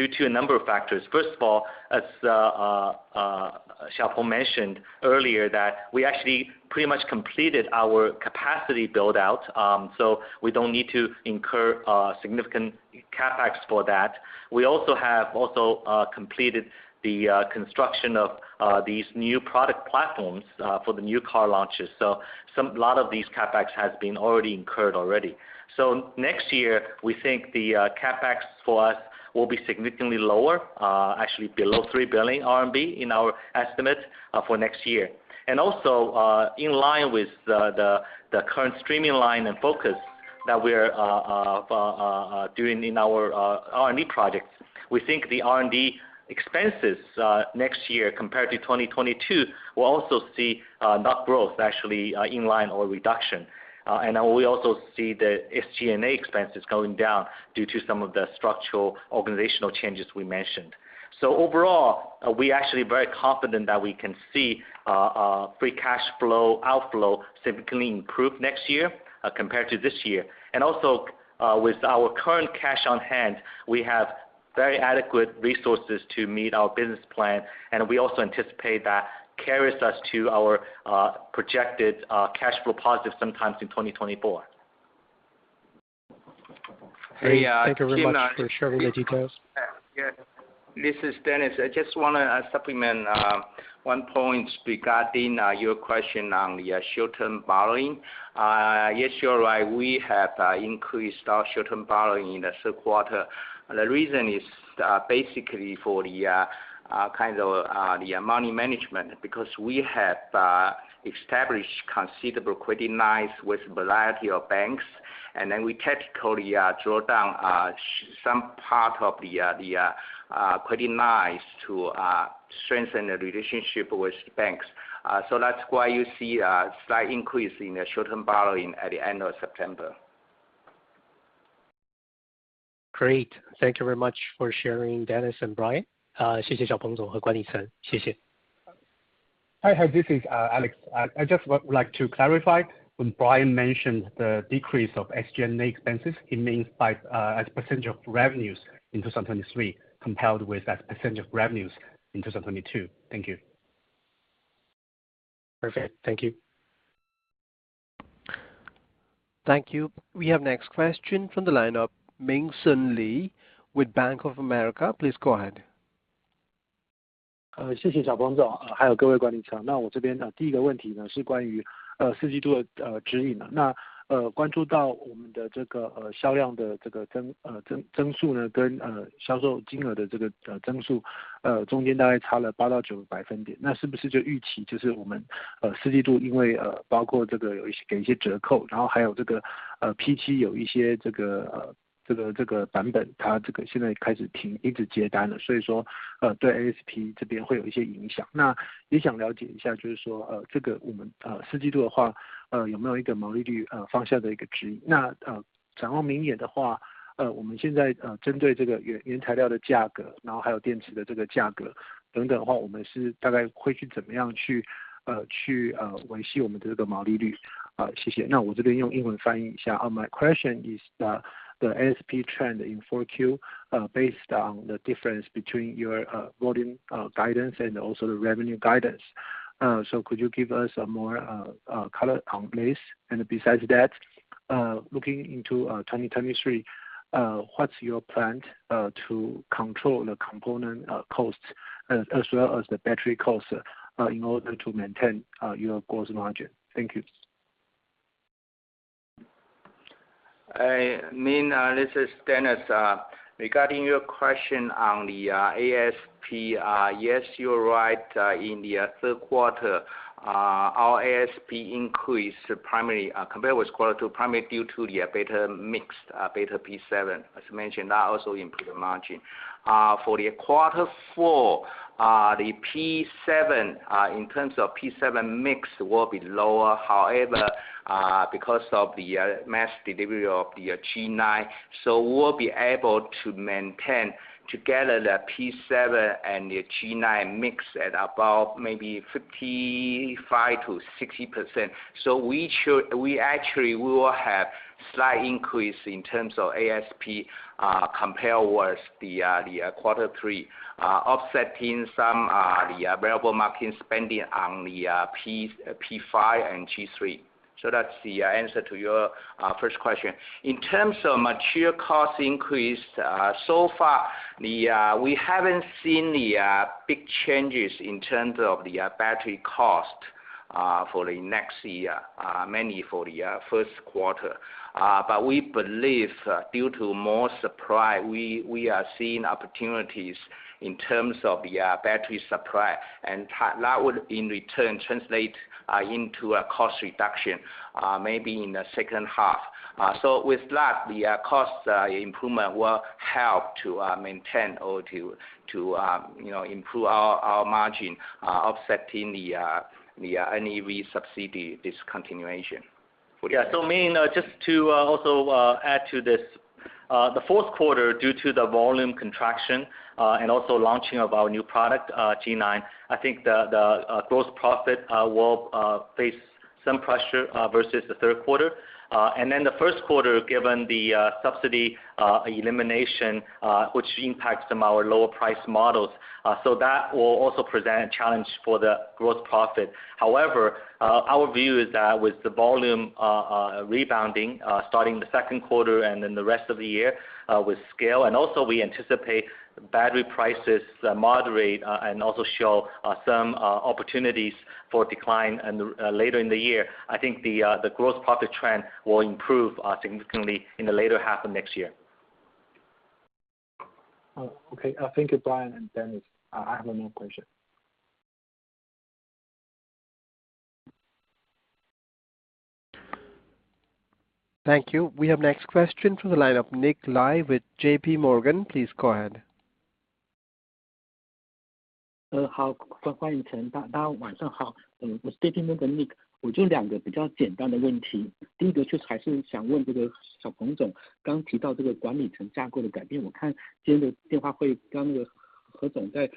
due to a number of factors. First of all, as Xiaopeng mentioned earlier that we actually pretty much completed our capacity build-out, so we don't need to incur significant CapEx for that. We also have also completed the construction of these new product platforms for the new car launches. A lot of these CapEx has been already incurred. Next year we think the CapEx for us will be significantly lower, actually below 3 billion RMB in our estimate for next year. Also, in line with the current streaming line and focus that we're doing in our R&D projects. We think the R&D expenses next year compared to 2022 will also see not growth actually, in line or reduction. We also see the SG&A expenses going down due to some of the structural organizational changes we mentioned. Overall, we're actually very confident that we can see free cash flow outflow significantly improve next year compared to this year. Also, with our current cash on hand, we have very adequate resources to meet our business plan. We also anticipate that carries us to our projected cash flow positive sometimes in 2024. Hey. Thank you very much for sharing the details. This is Dennis. I just wanna supplement one point regarding your question on the short-term borrowing. Yes, you're right, we have increased our short-term borrowing in the third quarter. The reason is basically for the kind of the money management because we have established considerable credit lines with a variety of banks, and then we technically draw down some part of the credit lines to strengthen the relationship with banks. That's why you see a slight increase in the short-term borrowing at the end of September. Great. Thank you very much for sharing, Dennis and Brian. Hi. This is Alex. I just would like to clarify, when Brian mentioned the decrease of SG&A expenses, it means by as a percentage of revenues in 2023 compared with that percentage of revenues in 2022. Thank you. Perfect. Thank you. Thank you. We have next question from the line of Ming-Hsun Lee with Bank of America. Please go ahead. 呃， 谢谢小鹏 总， 还有各位管理层。那我这边呢第一个问题 呢， 是关 于， 呃， 四季度 的， 呃， 指引了。那， 呃， 关注到我们的这 个， 呃， 销量的这个 增， 呃， 增， 增速 呢， 跟， 呃， 销售金额的这 个， 呃， 增 速， 呃， 中间大概差了八到九百分 点， 那是不是就预 期， 就是我 们， 呃， 四季度因 为， 呃， 包括这个有一 些， 给一些折 扣， 然后还有这 个， 呃， P7 有一些这 个， 呃，这 个， 这个版 本， 它这个现在开始 停， 停止接单 了， 所以 说， 呃， 对 ASP 这边会有一些影响。那也想了解一 下， 就是 说， 呃， 这个我 们， 呃， 四季度的 话， 呃， 有没有一个毛利 率， 呃， 放下的一个指引。那， 呃， 然后明年的 话， 呃， 我们现 在， 呃， 针对这个 原， 原材料的价 格， 然后还有电池的这个价格等等的 话， 我们是大概会去怎么样 去， 呃， 去， 呃， 维系我们的这个毛利率。呃， 谢谢。那我这边用英文翻译一下。Uh, my question is the, the ASP trend in four Q, uh, based on the difference between your, uh, volume, uh, guidance and also the revenue guidance. Could you give us a more color on this? Besides that, looking into 2023, what's your plan to control the component costs as well as the battery costs, in order to maintain your gross margin? Thank you. Min, this is Dennis. Regarding your question on the ASP, yes, you're right. In the third quarter, our ASP increased primarily compared with Q2, primarily due to the better mixed, better P7. As mentioned, that also improved the margin. For the Q4, the P7, in terms of P7 mix will be lower. Because of the mass delivery of the G9, so we'll be able to maintain together the P7 and the G9 mix at about maybe 55%-60%. We actually will have slight increase in terms of ASP, compare with the Q3, offsetting some the variable marketing spending on the P5 and G3. That's the answer to your first question. In terms of material cost increase, so far, we haven't seen big changes in terms of battery cost for the next year, mainly for the first quarter. We believe, due to more supply, we are seeing opportunities in terms of battery supply, and that would, in return, translate into a cost reduction, maybe in the second half. With that, the cost improvement will help to maintain or to, you know, improve our margin, offsetting the NEV subsidy discontinuation. Min, just to also add to this. The fourth quarter, due to the volume contraction, and also launching of our new product, G9, I think the gross profit will face some pressure versus the third quarter. The first quarter, given the subsidy elimination, which impacts some our lower price models. That will also present a challenge for the gross profit. However, our view is that with the volume rebounding starting the second quarter and then the rest of the year, with scale, and also we anticipate battery prices moderate, and also show some opportunities for decline in the later in the year, I think the gross profit trend will improve significantly in the later half of next year. Okay. Thank you, Brian and Dennis. I have no more question. Thank you. We have next question from the line of Nick Lai with JPMorgan, please go ahead. Hi.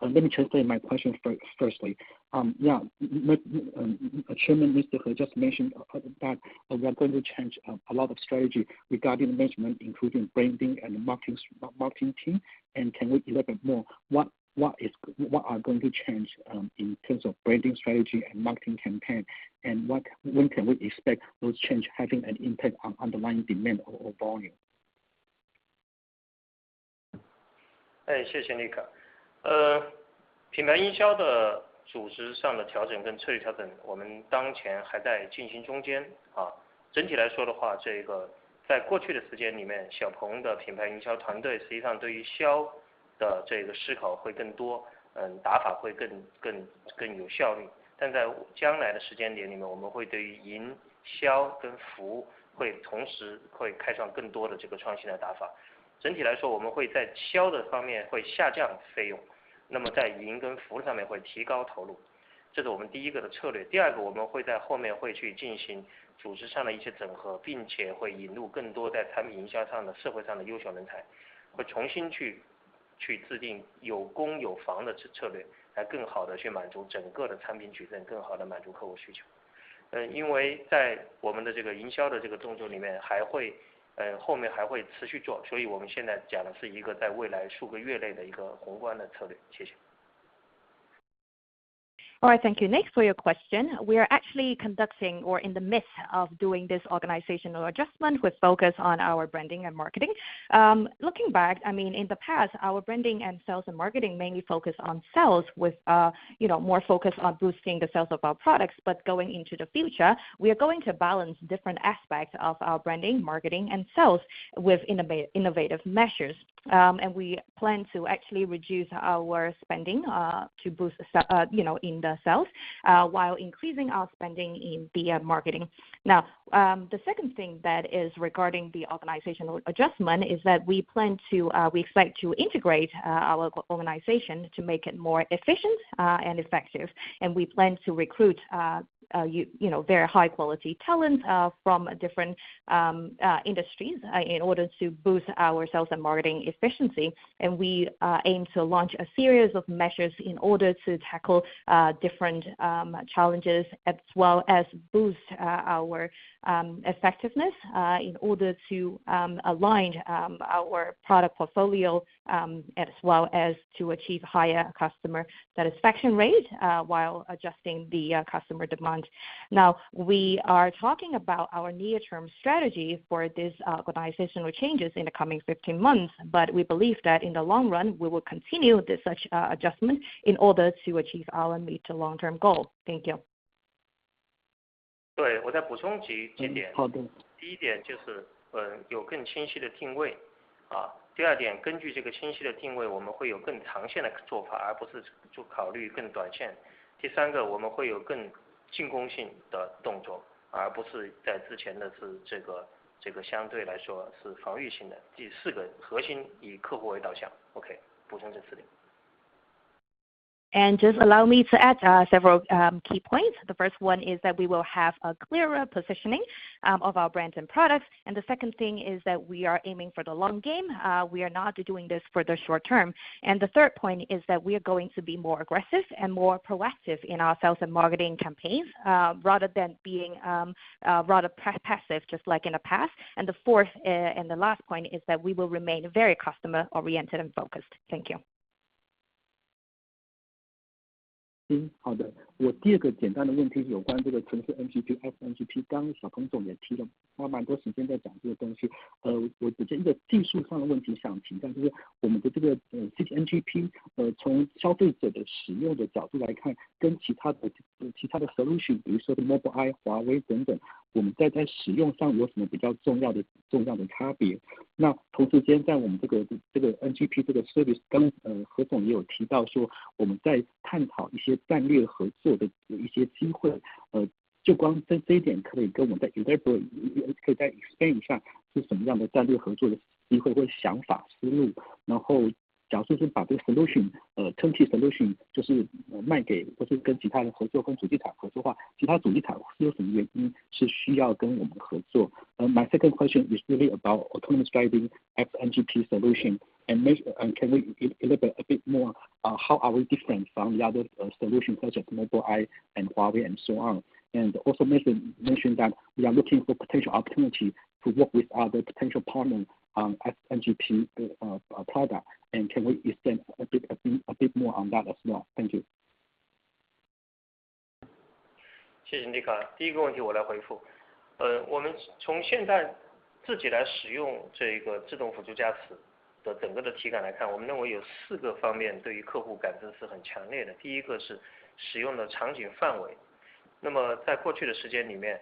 Let me translate my question firstly. Yeah. Chairman Ms. He just mentioned that we are going to change a lot of strategy regarding management, including branding and marketing team. Can we elaborate more, what are going to change in terms of branding strategy and marketing campaign? When can we expect those change having an impact on underlying demand or volume? All right. Thank you, Nick, for your question. We're actually conducting or in the midst of doing this organizational adjustment with focus on our branding and marketing. Looking back, I mean, in the past, our branding and sales and marketing mainly focus on sales with more focus on boosting the sales of our products. But going into the future, we're going to balance different aspects of our branding, marketing and sales with innovative measures, and we plan to actually reduce our spending to boost in the sales, while increasing our spending in marketing. Now, the second thing that is regarding the organizational adjustment is that we plan to, we expect to integrate our organization to make it more efficient and effective, and we plan to recruit, you know, very high-quality talent from different industries in order to boost our sales and marketing efficiency. And we aim to launch a series of measures in order to tackle different challenges, as well as boost our effectiveness in order to align our product portfolio, as well as to achieve higher customer satisfaction rate, while adjusting the customer demand. Now, we are talking about our near-term strategy for these organizational changes in the coming 15 months, but we believe that in the long run, we will continue such adjustment in order to achieve our mid-to-long-term goal. Thank you. 我再补充几点。好 的. 第一点就 是， 有更清晰的定位。第二 点， 根据这个清晰的定 位， 我们会有更长线的做 法， 而不是只考虑更短线。第三 个， 我们会有更进攻性的动 作， 而不是在之前的是这 个， 这个相对来说是防御性的。第四 个， 核心以客户为导向。OK, 补充这四点。Just allow me to add several key points. The first one is that we will have a clearer positioning of our brands and products. The second thing is that we are aiming for the long game. We are not doing this for the short term. The third point is that we are going to be more aggressive and more proactive in our sales and marketing campaigns, rather than being rather passive just like in the past. The fourth and the last point is that we will remain very customer oriented and focused. Thank you. 好的。我第二个简单的问题有关这个纯粹 NGP， XNGP。刚刚小鹏总也 提了， 花蛮多时间在讲这个东西。我只是一个技术上的问题想请教就是我们的这个 XNGP 从消费者的使用的角度 来看， 跟其他的 solution， 比如说 Mobileye， Huawei 等等， 我们在使用上有什么重要的 差别？ 同时兼在我们这个 NGP 这个 service， 刚刚何总也有提到说我们在探讨一些战略合作的一些机会。就光在这一点可以跟我们在有点可以在 exchange 上是什么样的战略合作的机会或想法、思路， 然后假如说是把这个 solution， turnkey solution 就是卖给或是跟其他的 合作， 跟主机厂合作的 话， 其他主机厂有什么原因是需要跟我们合作。My second question is really about autonomous driving XNGP solution and can we elaborate a bit more on how are we different from the other solutions such as Mobileye and Huawei and so on? Also mention that we are looking for potential opportunity to work with other potential partners on XNGP product. Can we extend a bit more on that as well? Thank you. 谢谢 Nick。第一个问题我来回复。呃， 我们从现在自己来使用这一个自动辅助驾驶的整个的体感来 看， 我们认为有四个方面对于客户感知是很强烈的。第一个是使用的场景范围。那么在过去的时间里 面，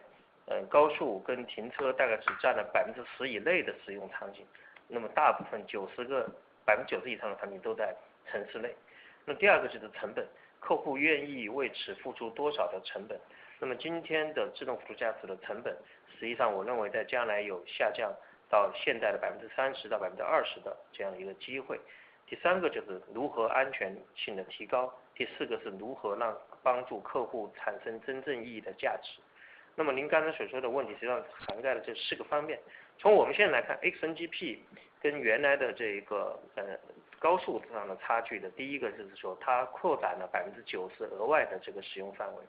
呃， 高速跟停车大概只占了百分之十以内的使用场 景， 那么大部分九十 个， 百分之九十以上的场景都在城市内。那第二个就是成 本， 客户愿意为此付出多少的成本。那么今天的自动辅助驾驶的成 本， 实际上我认为在将来有下降到现在的百分之三十到百分之二十的这样一个机会。第三个就是如何安全性的提高，第四个是如何让帮助客户产生真正意义的价值。那么您刚才所说的问题实际上涵盖了这四个方面。从我们现在来看 ，XNGP 跟原来的这一 个， 呃， 高速上的差距的第一个就是说它扩展了百分之九十额外的这个使用范 围，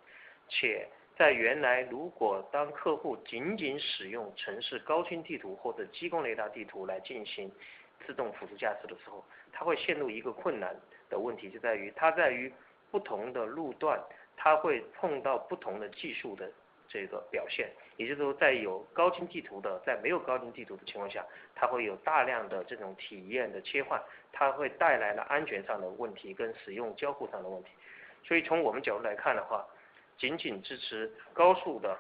且在原来如果当客户仅仅使用城市高清地图或者激光雷达地图来进行自动辅助驾驶的时 候， 它会陷入一个困难的问 题， 就在于它在于不同的路 段， 它会碰到不同的技术的这个表 现， 也就是在有高清地图 的， 在没有高清地图的情况 下， 它会有大量的这种体验的切 换， 它会带来了安全上的问 题， 跟使用交互上的问题。所以从我们角度来看的 话， 仅仅支持高速的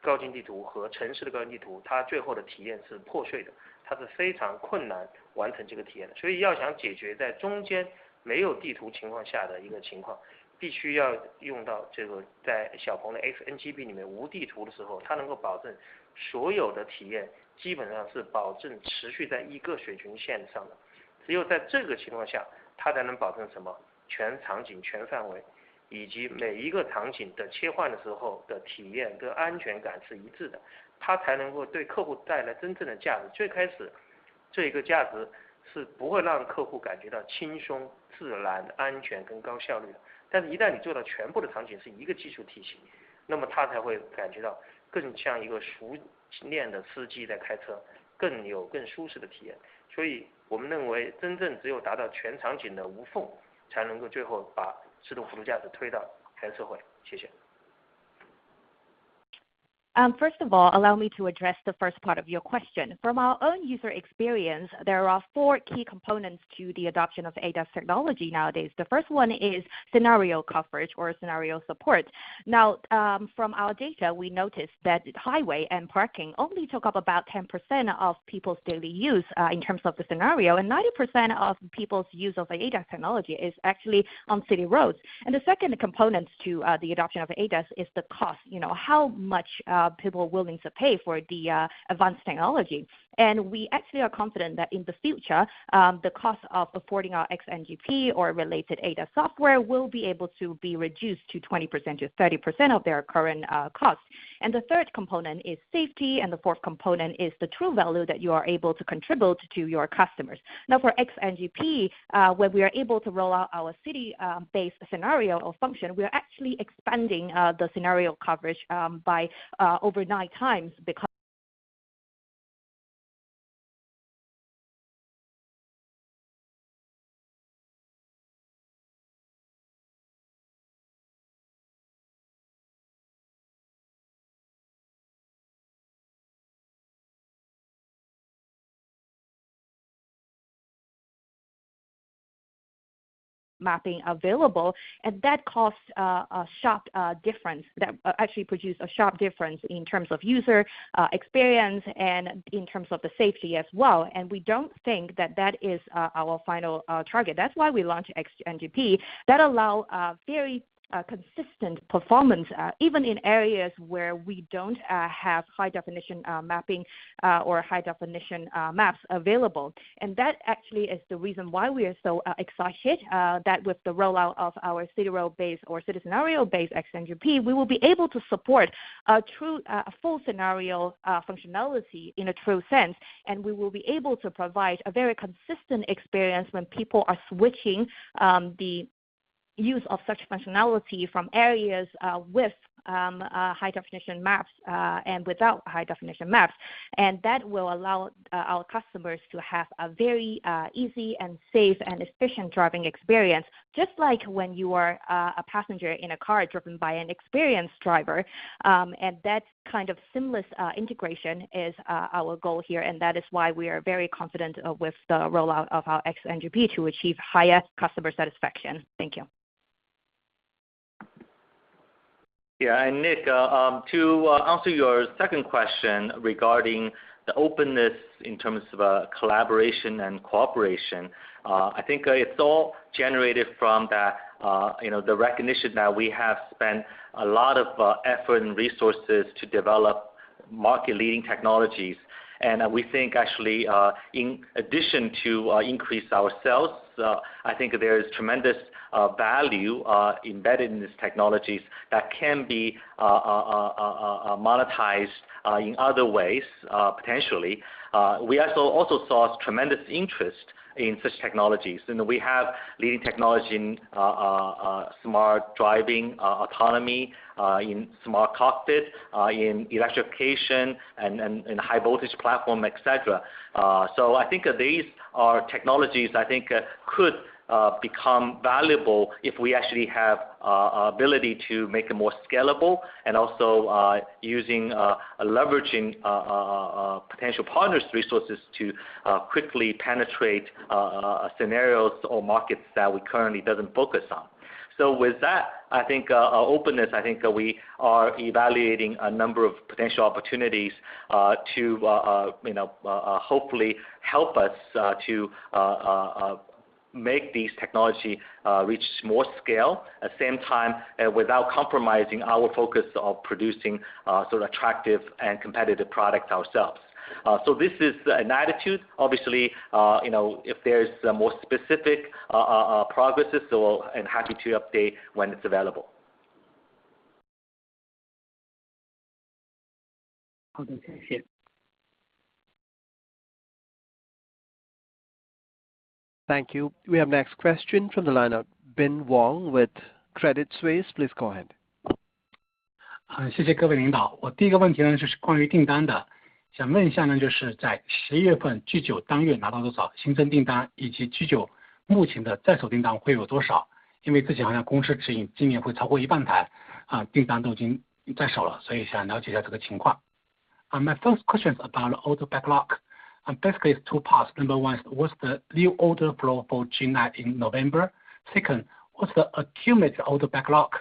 高清地图和城市的高清地 图， 它最后的体验是破碎 的， 它是非常困难完成这个体验的。所以要想解决在中间没有地图情况下的一个情 况， 必须要用到这个在小鹏的 XNGP 里 面， 无地图的时 候， 它能够保证所有的体验基本上是保证持续在一个水准线上的。只有在这个情况 下， 它才能保证什 么？ 全场 景， 全范 围， 以及每一个场景的切换的时候的体验跟安全感是一致 的， 它才能够对客户带来真正的价值。最开始这一个价值是不会让客户感觉到轻松、自然、安全跟高效率 的， 但是一旦你做到全部的场景是一个技术体 系， 那么他才会感觉到更像一个熟练的司机在开 车， 更有更舒适的体验。所以我们认为真正只有达到全场景的无 缝， 才能够最后把自动辅助驾驶推到全社会。谢谢。First of all, allow me to address the first part of your question. From our own user experience, there are 4 key components to the adoption of ADAS technology nowadays. The first one is scenario coverage or scenario support. From our data, we noticed that highway and parking only took up about 10% of people's daily use in terms of the scenario. 90% of people's use of ADAS technology is actually on city roads. The second component to the adoption of ADAS is the cost, you know how much people are willing to pay for the advanced technology. We actually are confident that in the future, the cost of affording our XNGP or related ADAS software will be able to be reduced to 20%-30% of their current cost. The third component is safety, and the fourth component is the true value that you are able to contribute to your customers. For XNGP, when we are able to roll out our city based scenario or function, we are actually expanding the scenario coverage by over 9 times Mapping available, and that caused a sharp difference that actually produced a sharp difference in terms of user experience and in terms of the safety as well. We don't think that that is our final target. That's why we launched XNGP. That allow very consistent performance even in areas where we don't have high definition mapping or high-definition maps available. That actually is the reason why we are so excited that with the rollout of our zero-based or zero-scenario-based XNGP, we will be able to support a true, a full scenario functionality in a true sense. We will be able to provide a very consistent experience when people are switching the use of such functionality from areas with high-definition maps and without high-definition maps. That will allow our customers to have a very easy and safe and efficient driving experience, just like when you are a passenger in a car driven by an experienced driver. That kind of seamless integration is our goal here, and that is why we are very confident with the rollout of our XNGP to achieve highest customer satisfaction. Thank you. Yeah. Nick, to answer your second question regarding the openness in terms of collaboration and cooperation, I think it's all generated from the, you know, the recognition that we have spent a lot of effort and resources to develop market-leading technologies. We think actually, in addition to increase our sales, I think there is tremendous value embedded in these technologies that can be monetized in other ways, potentially. We also saw tremendous interest in such technologies, and we have leading technology in smart driving, autonomy, in smart cockpit, in electrification and in High-voltage Platform, et cetera. I think these are technologies I think could become valuable if we actually have ability to make them more scalable and also using leveraging potential partners' resources to quickly penetrate scenarios or markets that we currently doesn't focus on. With that, I think our openness, I think we are evaluating a number of potential opportunities to, you know, hopefully help us to make these technology reach more scale, at same time, without compromising our focus of producing sort of attractive and competitive products ourselves. This is an attitude. Obviously, you know, if there's more specific progresses, I'm happy to update when it's available. Thank you. We have next question from the line of Bin Wang with Credit Suisse. Please go ahead. My first question is about order backlog. Basically it's two parts. Number one, what's the new order flow for G9 in November? Second, what's the accumulated order backlog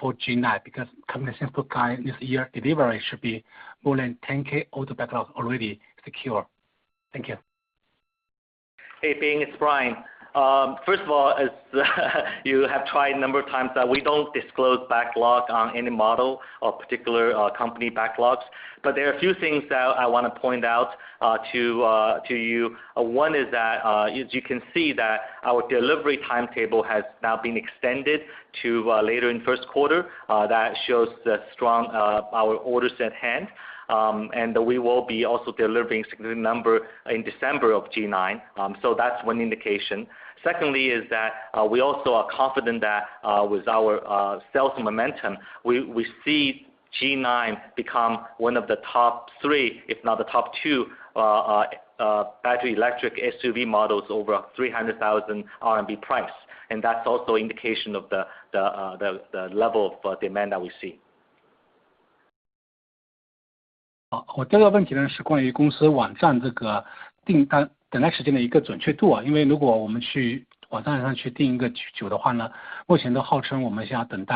for G9? Because company seems to guide this year delivery should be more than 10,000 order backlog already secure. Thank you. Hey, Bin. It's Brian. First of all, as you have tried a number of times, that we don't disclose backlog on any model or particular company backlogs. There are a few things that I wanna point out to you. One is that as you can see that our delivery timetable has now been extended to later in first quarter. That shows the strong our orders at hand. We will be also delivering significant number in December of G9. That's one indication. Secondly is that, we also are confident that with our sales momentum, we see G9 become one of the top three, if not the top two, battery electric SUV models over RMB 300,000 price. That's also indication of the level of demand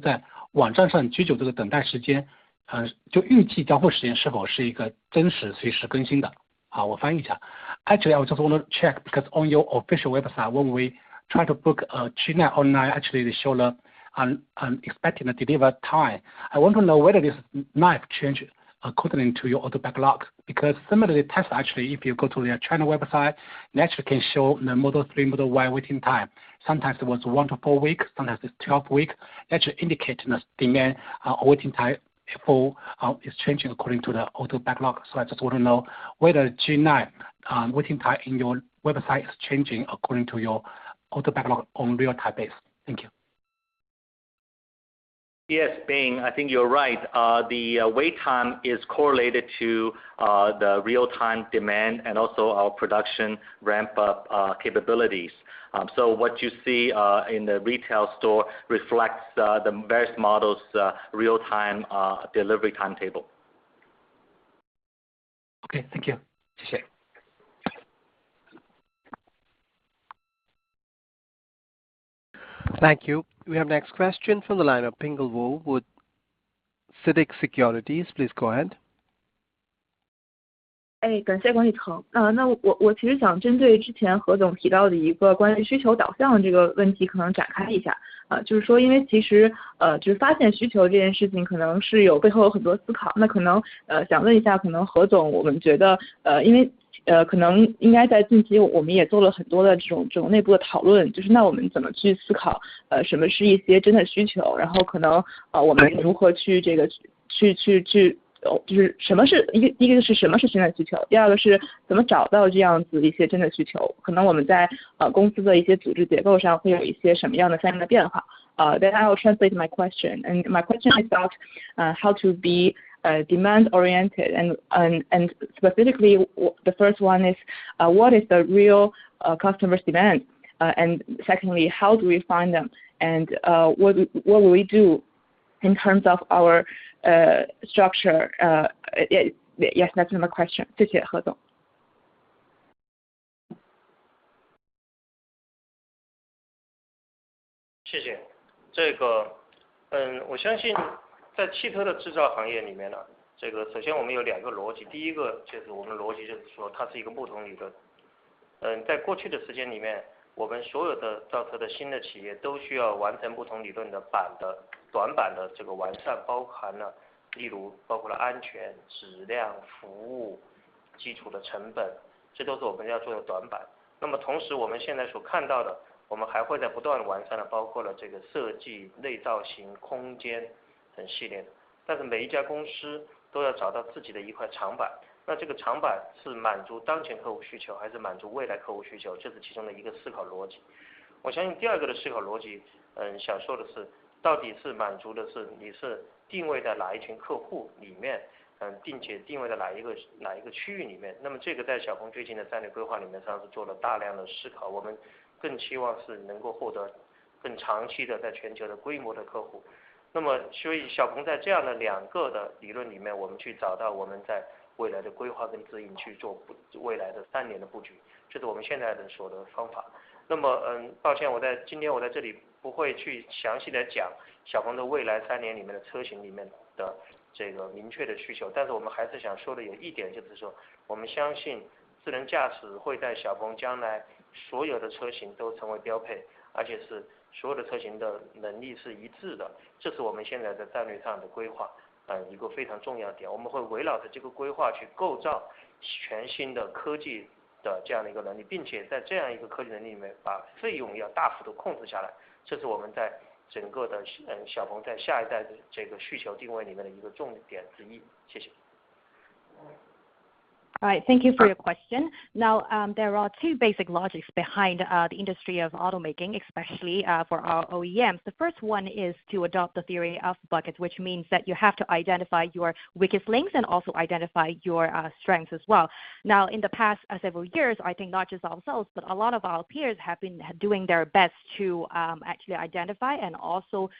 that we see. Actually, I just wanna check, because on your official website, when we try to book a G9 online, actually it show the expecting a deliver time. I want to know whether this might change according to your order backlog. Similarly, Tesla actually, if you go to their China website, naturally can show the Model 3, Model Y waiting time. Sometimes it was 1 to 4 weeks, sometimes it's 12 week. That should indicate the demand waiting time before it's changing according to the order backlog. I just wanna know whether G9 waiting time in your website is changing according to your order backlog on real-time base. Thank you. Yes, Bin I think you're right. The wait time is correlated to the real time demand and also our production ramp up capabilities. What you see in the retail store reflects the best models, real time, delivery timetable. Okay, thank you. 谢 谢. Thank you. We have next question from the line of Ping Wu with CITIC Securities. Please go ahead. Then I'll translate my question. My question is about how to be demand oriented and, and specifically the first one is what is the real customers demand? Secondly, how do we find them? What, what do we do in terms of our structure? Yes, that's my question. 谢谢何总。谢谢。这 个， 嗯， 我相信在汽车的制造行业里面 呢， 这个首先我们有两个逻 辑， 第一个就是我们的逻辑就是说它是一个不同理 的， 嗯， 在过去的时间里 面， 我们所有的造车的新的企业都需要完成不同理论的版的短版的这个完 善， 包含了例如包括了安全、质量、服务、基础的成 本， 这都是我们要做的短版。那么同时我们现在所看到 的， 我们还会在不断地完 善， 包括了这个设计、内造型、空间等系列 的， 但是每一家公司都要找到自己的一块长板，那这个长板是满足当前客户需求还是满足未来客户需 求， 这是其中的一个思考逻辑。我相信第二个的思考逻 辑， 呃， 想说的 是， 到底是满足的是你是定位在哪一群客户里 面， 嗯， 并且定位在哪一 个， 哪一个区域里 面， 那么这个在小鹏最近的战略规划里 面， 实际上是做了大量的思 考， 我们更期望是能够获得更长期的在全球的规模的客户。那么所以小鹏在这样的两个的理论里 面， 我们去找到我们在未来的规划跟指 引， 去做未来的三年的布 局， 这是我们现在的所的方法。那 么， 嗯， 抱 歉， 我在今天我在这里不会去详细地讲小鹏的未来三年里面的车型里面的这个明确的需 求， 但是我们还是想说的有一点就是 说， 我们相信智能驾驶会在小鹏将来所有的车型都成为标 配， 而且是所有的车型的能力是一致的。这是我们现在的战略上的规划 啊， 一个非常重要的 点， 我们会围绕着这个规划去构造全新的科技的这样一个能 力， 并且在这样一个科技能力里 面， 把费用要大幅度控制下 来， 这是我们在整个 的， 呃， 小鹏在下一代的这个需求定位里面的一个重点之一。谢谢。Alright, thank you for your question. There are two basic logics behind the industry of auto making, especially for our OEM. The first one is to adopt the theory of buckets, which means that you have to identify your weakest links and also identify your strengths as well. In the past several years, I think not just ourselves, but a lot of our peers have been doing their best to actually identify and also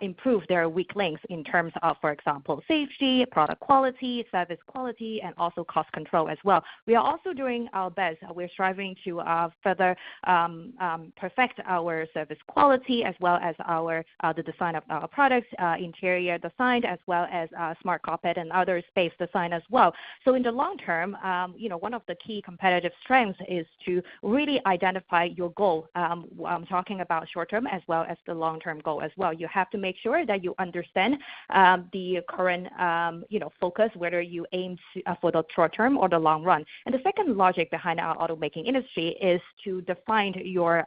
improve their weak links in terms of, for example, safety, product quality, service quality and also cost control as well. We are also doing our best. We're striving to further perfect our service quality as well as the design of our products, interior design as well as smart cockpit and other space design as well. In the long term, you know one of the key competitive strengths is to really identify your goal. I'm talking about short term as well as the long term goal as well. You have to make sure that you understand the current, you know focus whether you aim for the short term or the long run. The second logic behind our auto making industry is to define your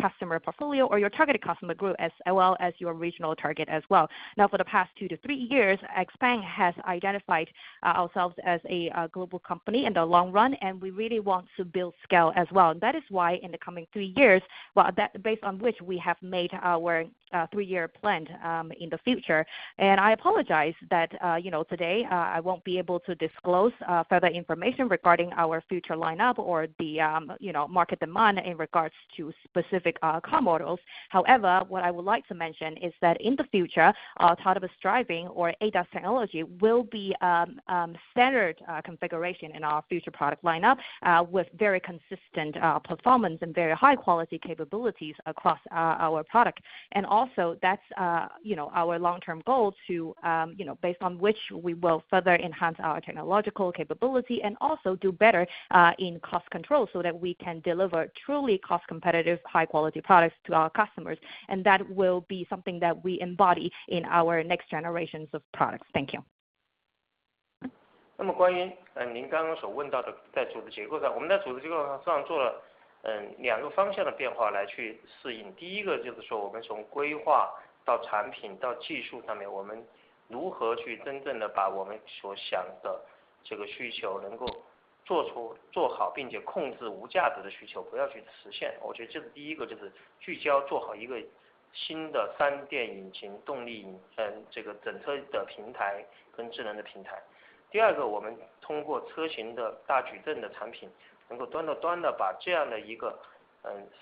customer portfolio or your targeted customer group as well as your regional target as well. For the past two to three years, XPeng has identified ourselves as a global company in the long run and we really want to build scale as well. That is why in the coming three years, well that based on which we have made our three-year plan in the future. I apologize that, you know today, I won't be able to disclose further information regarding our future lineup or the, you know, market demand in regards to specific car models. However, what I would like to mention is that in the future, part of a drive or ADAS technology will be standard configuration in our future product lineup, with very consistent performance and very high quality capabilities across our product. Also that's, you know our long term goal to, you know, based on which we will further enhance our technological capability and also do better in cost control so that we can deliver truly cost competitive, high quality products to our customers. That will be something that we embody in our next generations of products. Thank you. 关于您刚刚所问到 的， 在组织结构 上， 我们在组织结构上做了两个方向的变化来去适应。第一个就是说我们从规划到产品到技术上 面， 我们如何去真正地把我们所想的这个需求能够做出做好并且控制无价值的需 求， 不要去实现。我觉得这是第一 个， 就是聚焦做好一个新的三电引 擎， 动力这个整车的平台跟智能的平台。第二 个， 我们通过车型的大矩阵的产 品， 能够端到端的把这样的一个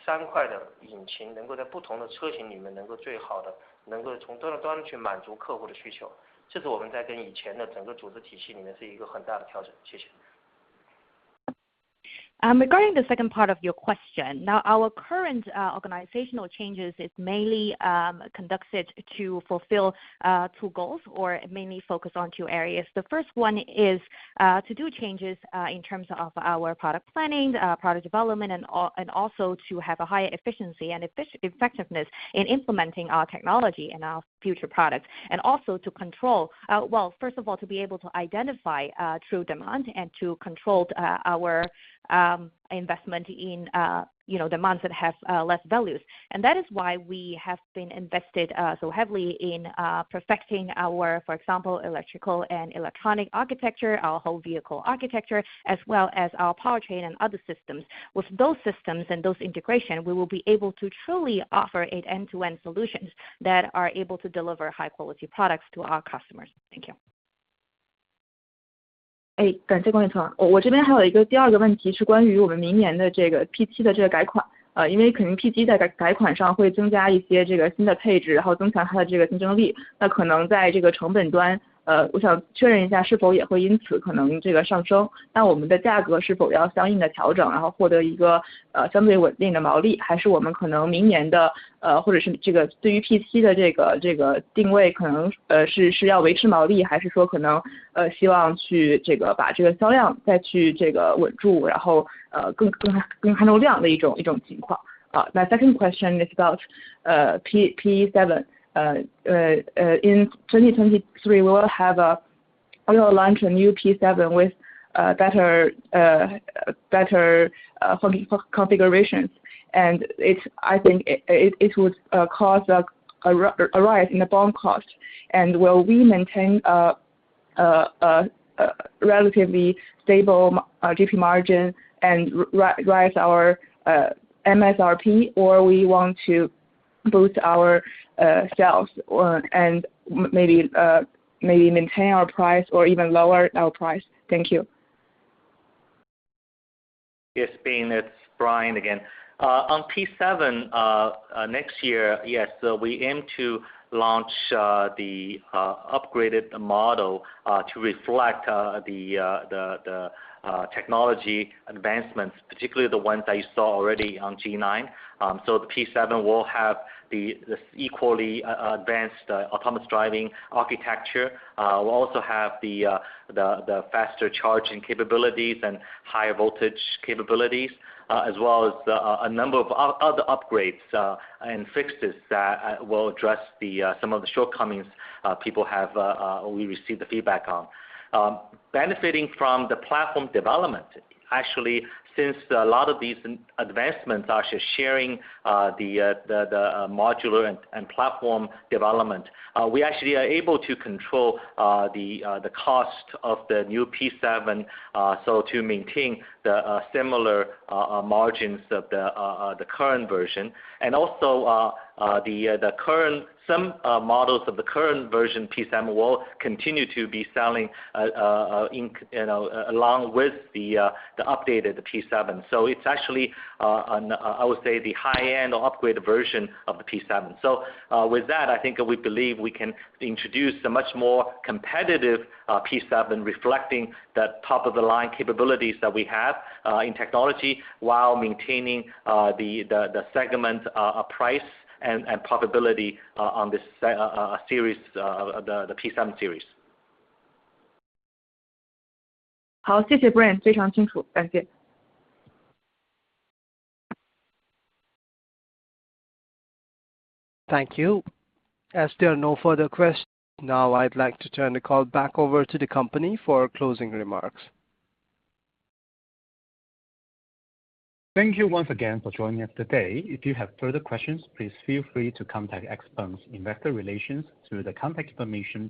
三块的引 擎， 能够在不同的车型里 面， 能够最好的能够从端到端去满足客户的需求，这是我们在跟以前的整个组织体系里面是一个很大的调整。谢谢。Regarding the second part of your question. Our current organizational changes is mainly conducted to fulfill two goals or mainly focus on two areas. The first one is to do changes in terms of our product planning, product development and also to have a higher efficiency and effectiveness in implementing our technology in our future products and also to control. Well, first of all, to be able to identify true demand and to control our investment in, you know, demands that have less values. That is why we have been invested so heavily in perfecting our, for example, electrical and electronic architecture, our whole vehicle architecture, as well as our powertrain and other systems. With those systems and those integration, we will be able to truly offer a end-to-end solutions that are able to deliver high quality products to our customers. Thank you. 哎， 感谢郭女士。我， 我这边还有一个第二个问 题， 是关于我们明年的这个 P7 的这个改 款， 呃， 因为可能 P7 在 改， 改款上会增加一些这个新的配 置， 然后增强它的这个竞争 力， 那可能在这个成本端， 呃， 我想确认一下是否也会因此可能这个上 升， 那我们的价格是否要相应的调 整， 然后获得一个呃相对稳定的毛 利， 还是我们可能明年的 呃， 或者是这个对于 P7 的这 个， 这个定 位， 可能呃 是， 是要维持毛 利， 还是说可能呃希望去这个把这个销量再去这个稳 住， 然后呃 更， 更， 更看重量的一 种， 一种情况。好。My second question is about, uh, P, P7. In 2023, we will launch a new P7 with better configurations. I think it would cause a rise in the bond cost. Will we maintain a relatively stable GP margin and rise our MSRP, or we want to boost our sales and maybe maintain our price or even lower our price? Thank you. Yes, Ping Wu, it's Brian again. On P7, next year, yes, we aim to launch the upgraded model to reflect the technology advancements, particularly the ones that you saw already on G9. The P7 will have the equally advanced autonomous driving architecture. We'll also have the faster charging capabilities and higher voltage capabilities, as well as a number of other upgrades and fixes that will address some of the shortcomings people have, we received the feedback on. Benefiting from the platform development, actually since a lot of these advancements are sharing the modular and platform development, we actually are able to control the cost of the new P7, so to maintain similar margins of the current version. Also, some models of the current version P7 will continue to be selling along with the updated P7. It's actually an, I would say the high-end or upgraded version of the P7. With that, I think we believe we can introduce a much more competitive P7, reflecting that top of the line capabilities that we have in technology while maintaining the segment price and profitability on this series, the P7 series. 好， 谢谢 Brian， 非常清 楚， 感谢。Thank you. As there are no further question, now I'd like to turn the call back over to the company for closing remarks. Thank you once again for joining us today. If you have further questions, please feel free to contact XPeng's investor relations through the contact information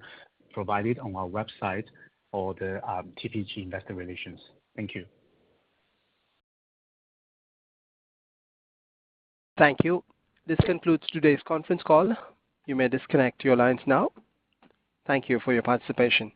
provided on our website or the The Piacente Group. Thank you. Thank you. This concludes today's conference call. You may disconnect your lines now. Thank you for your participation.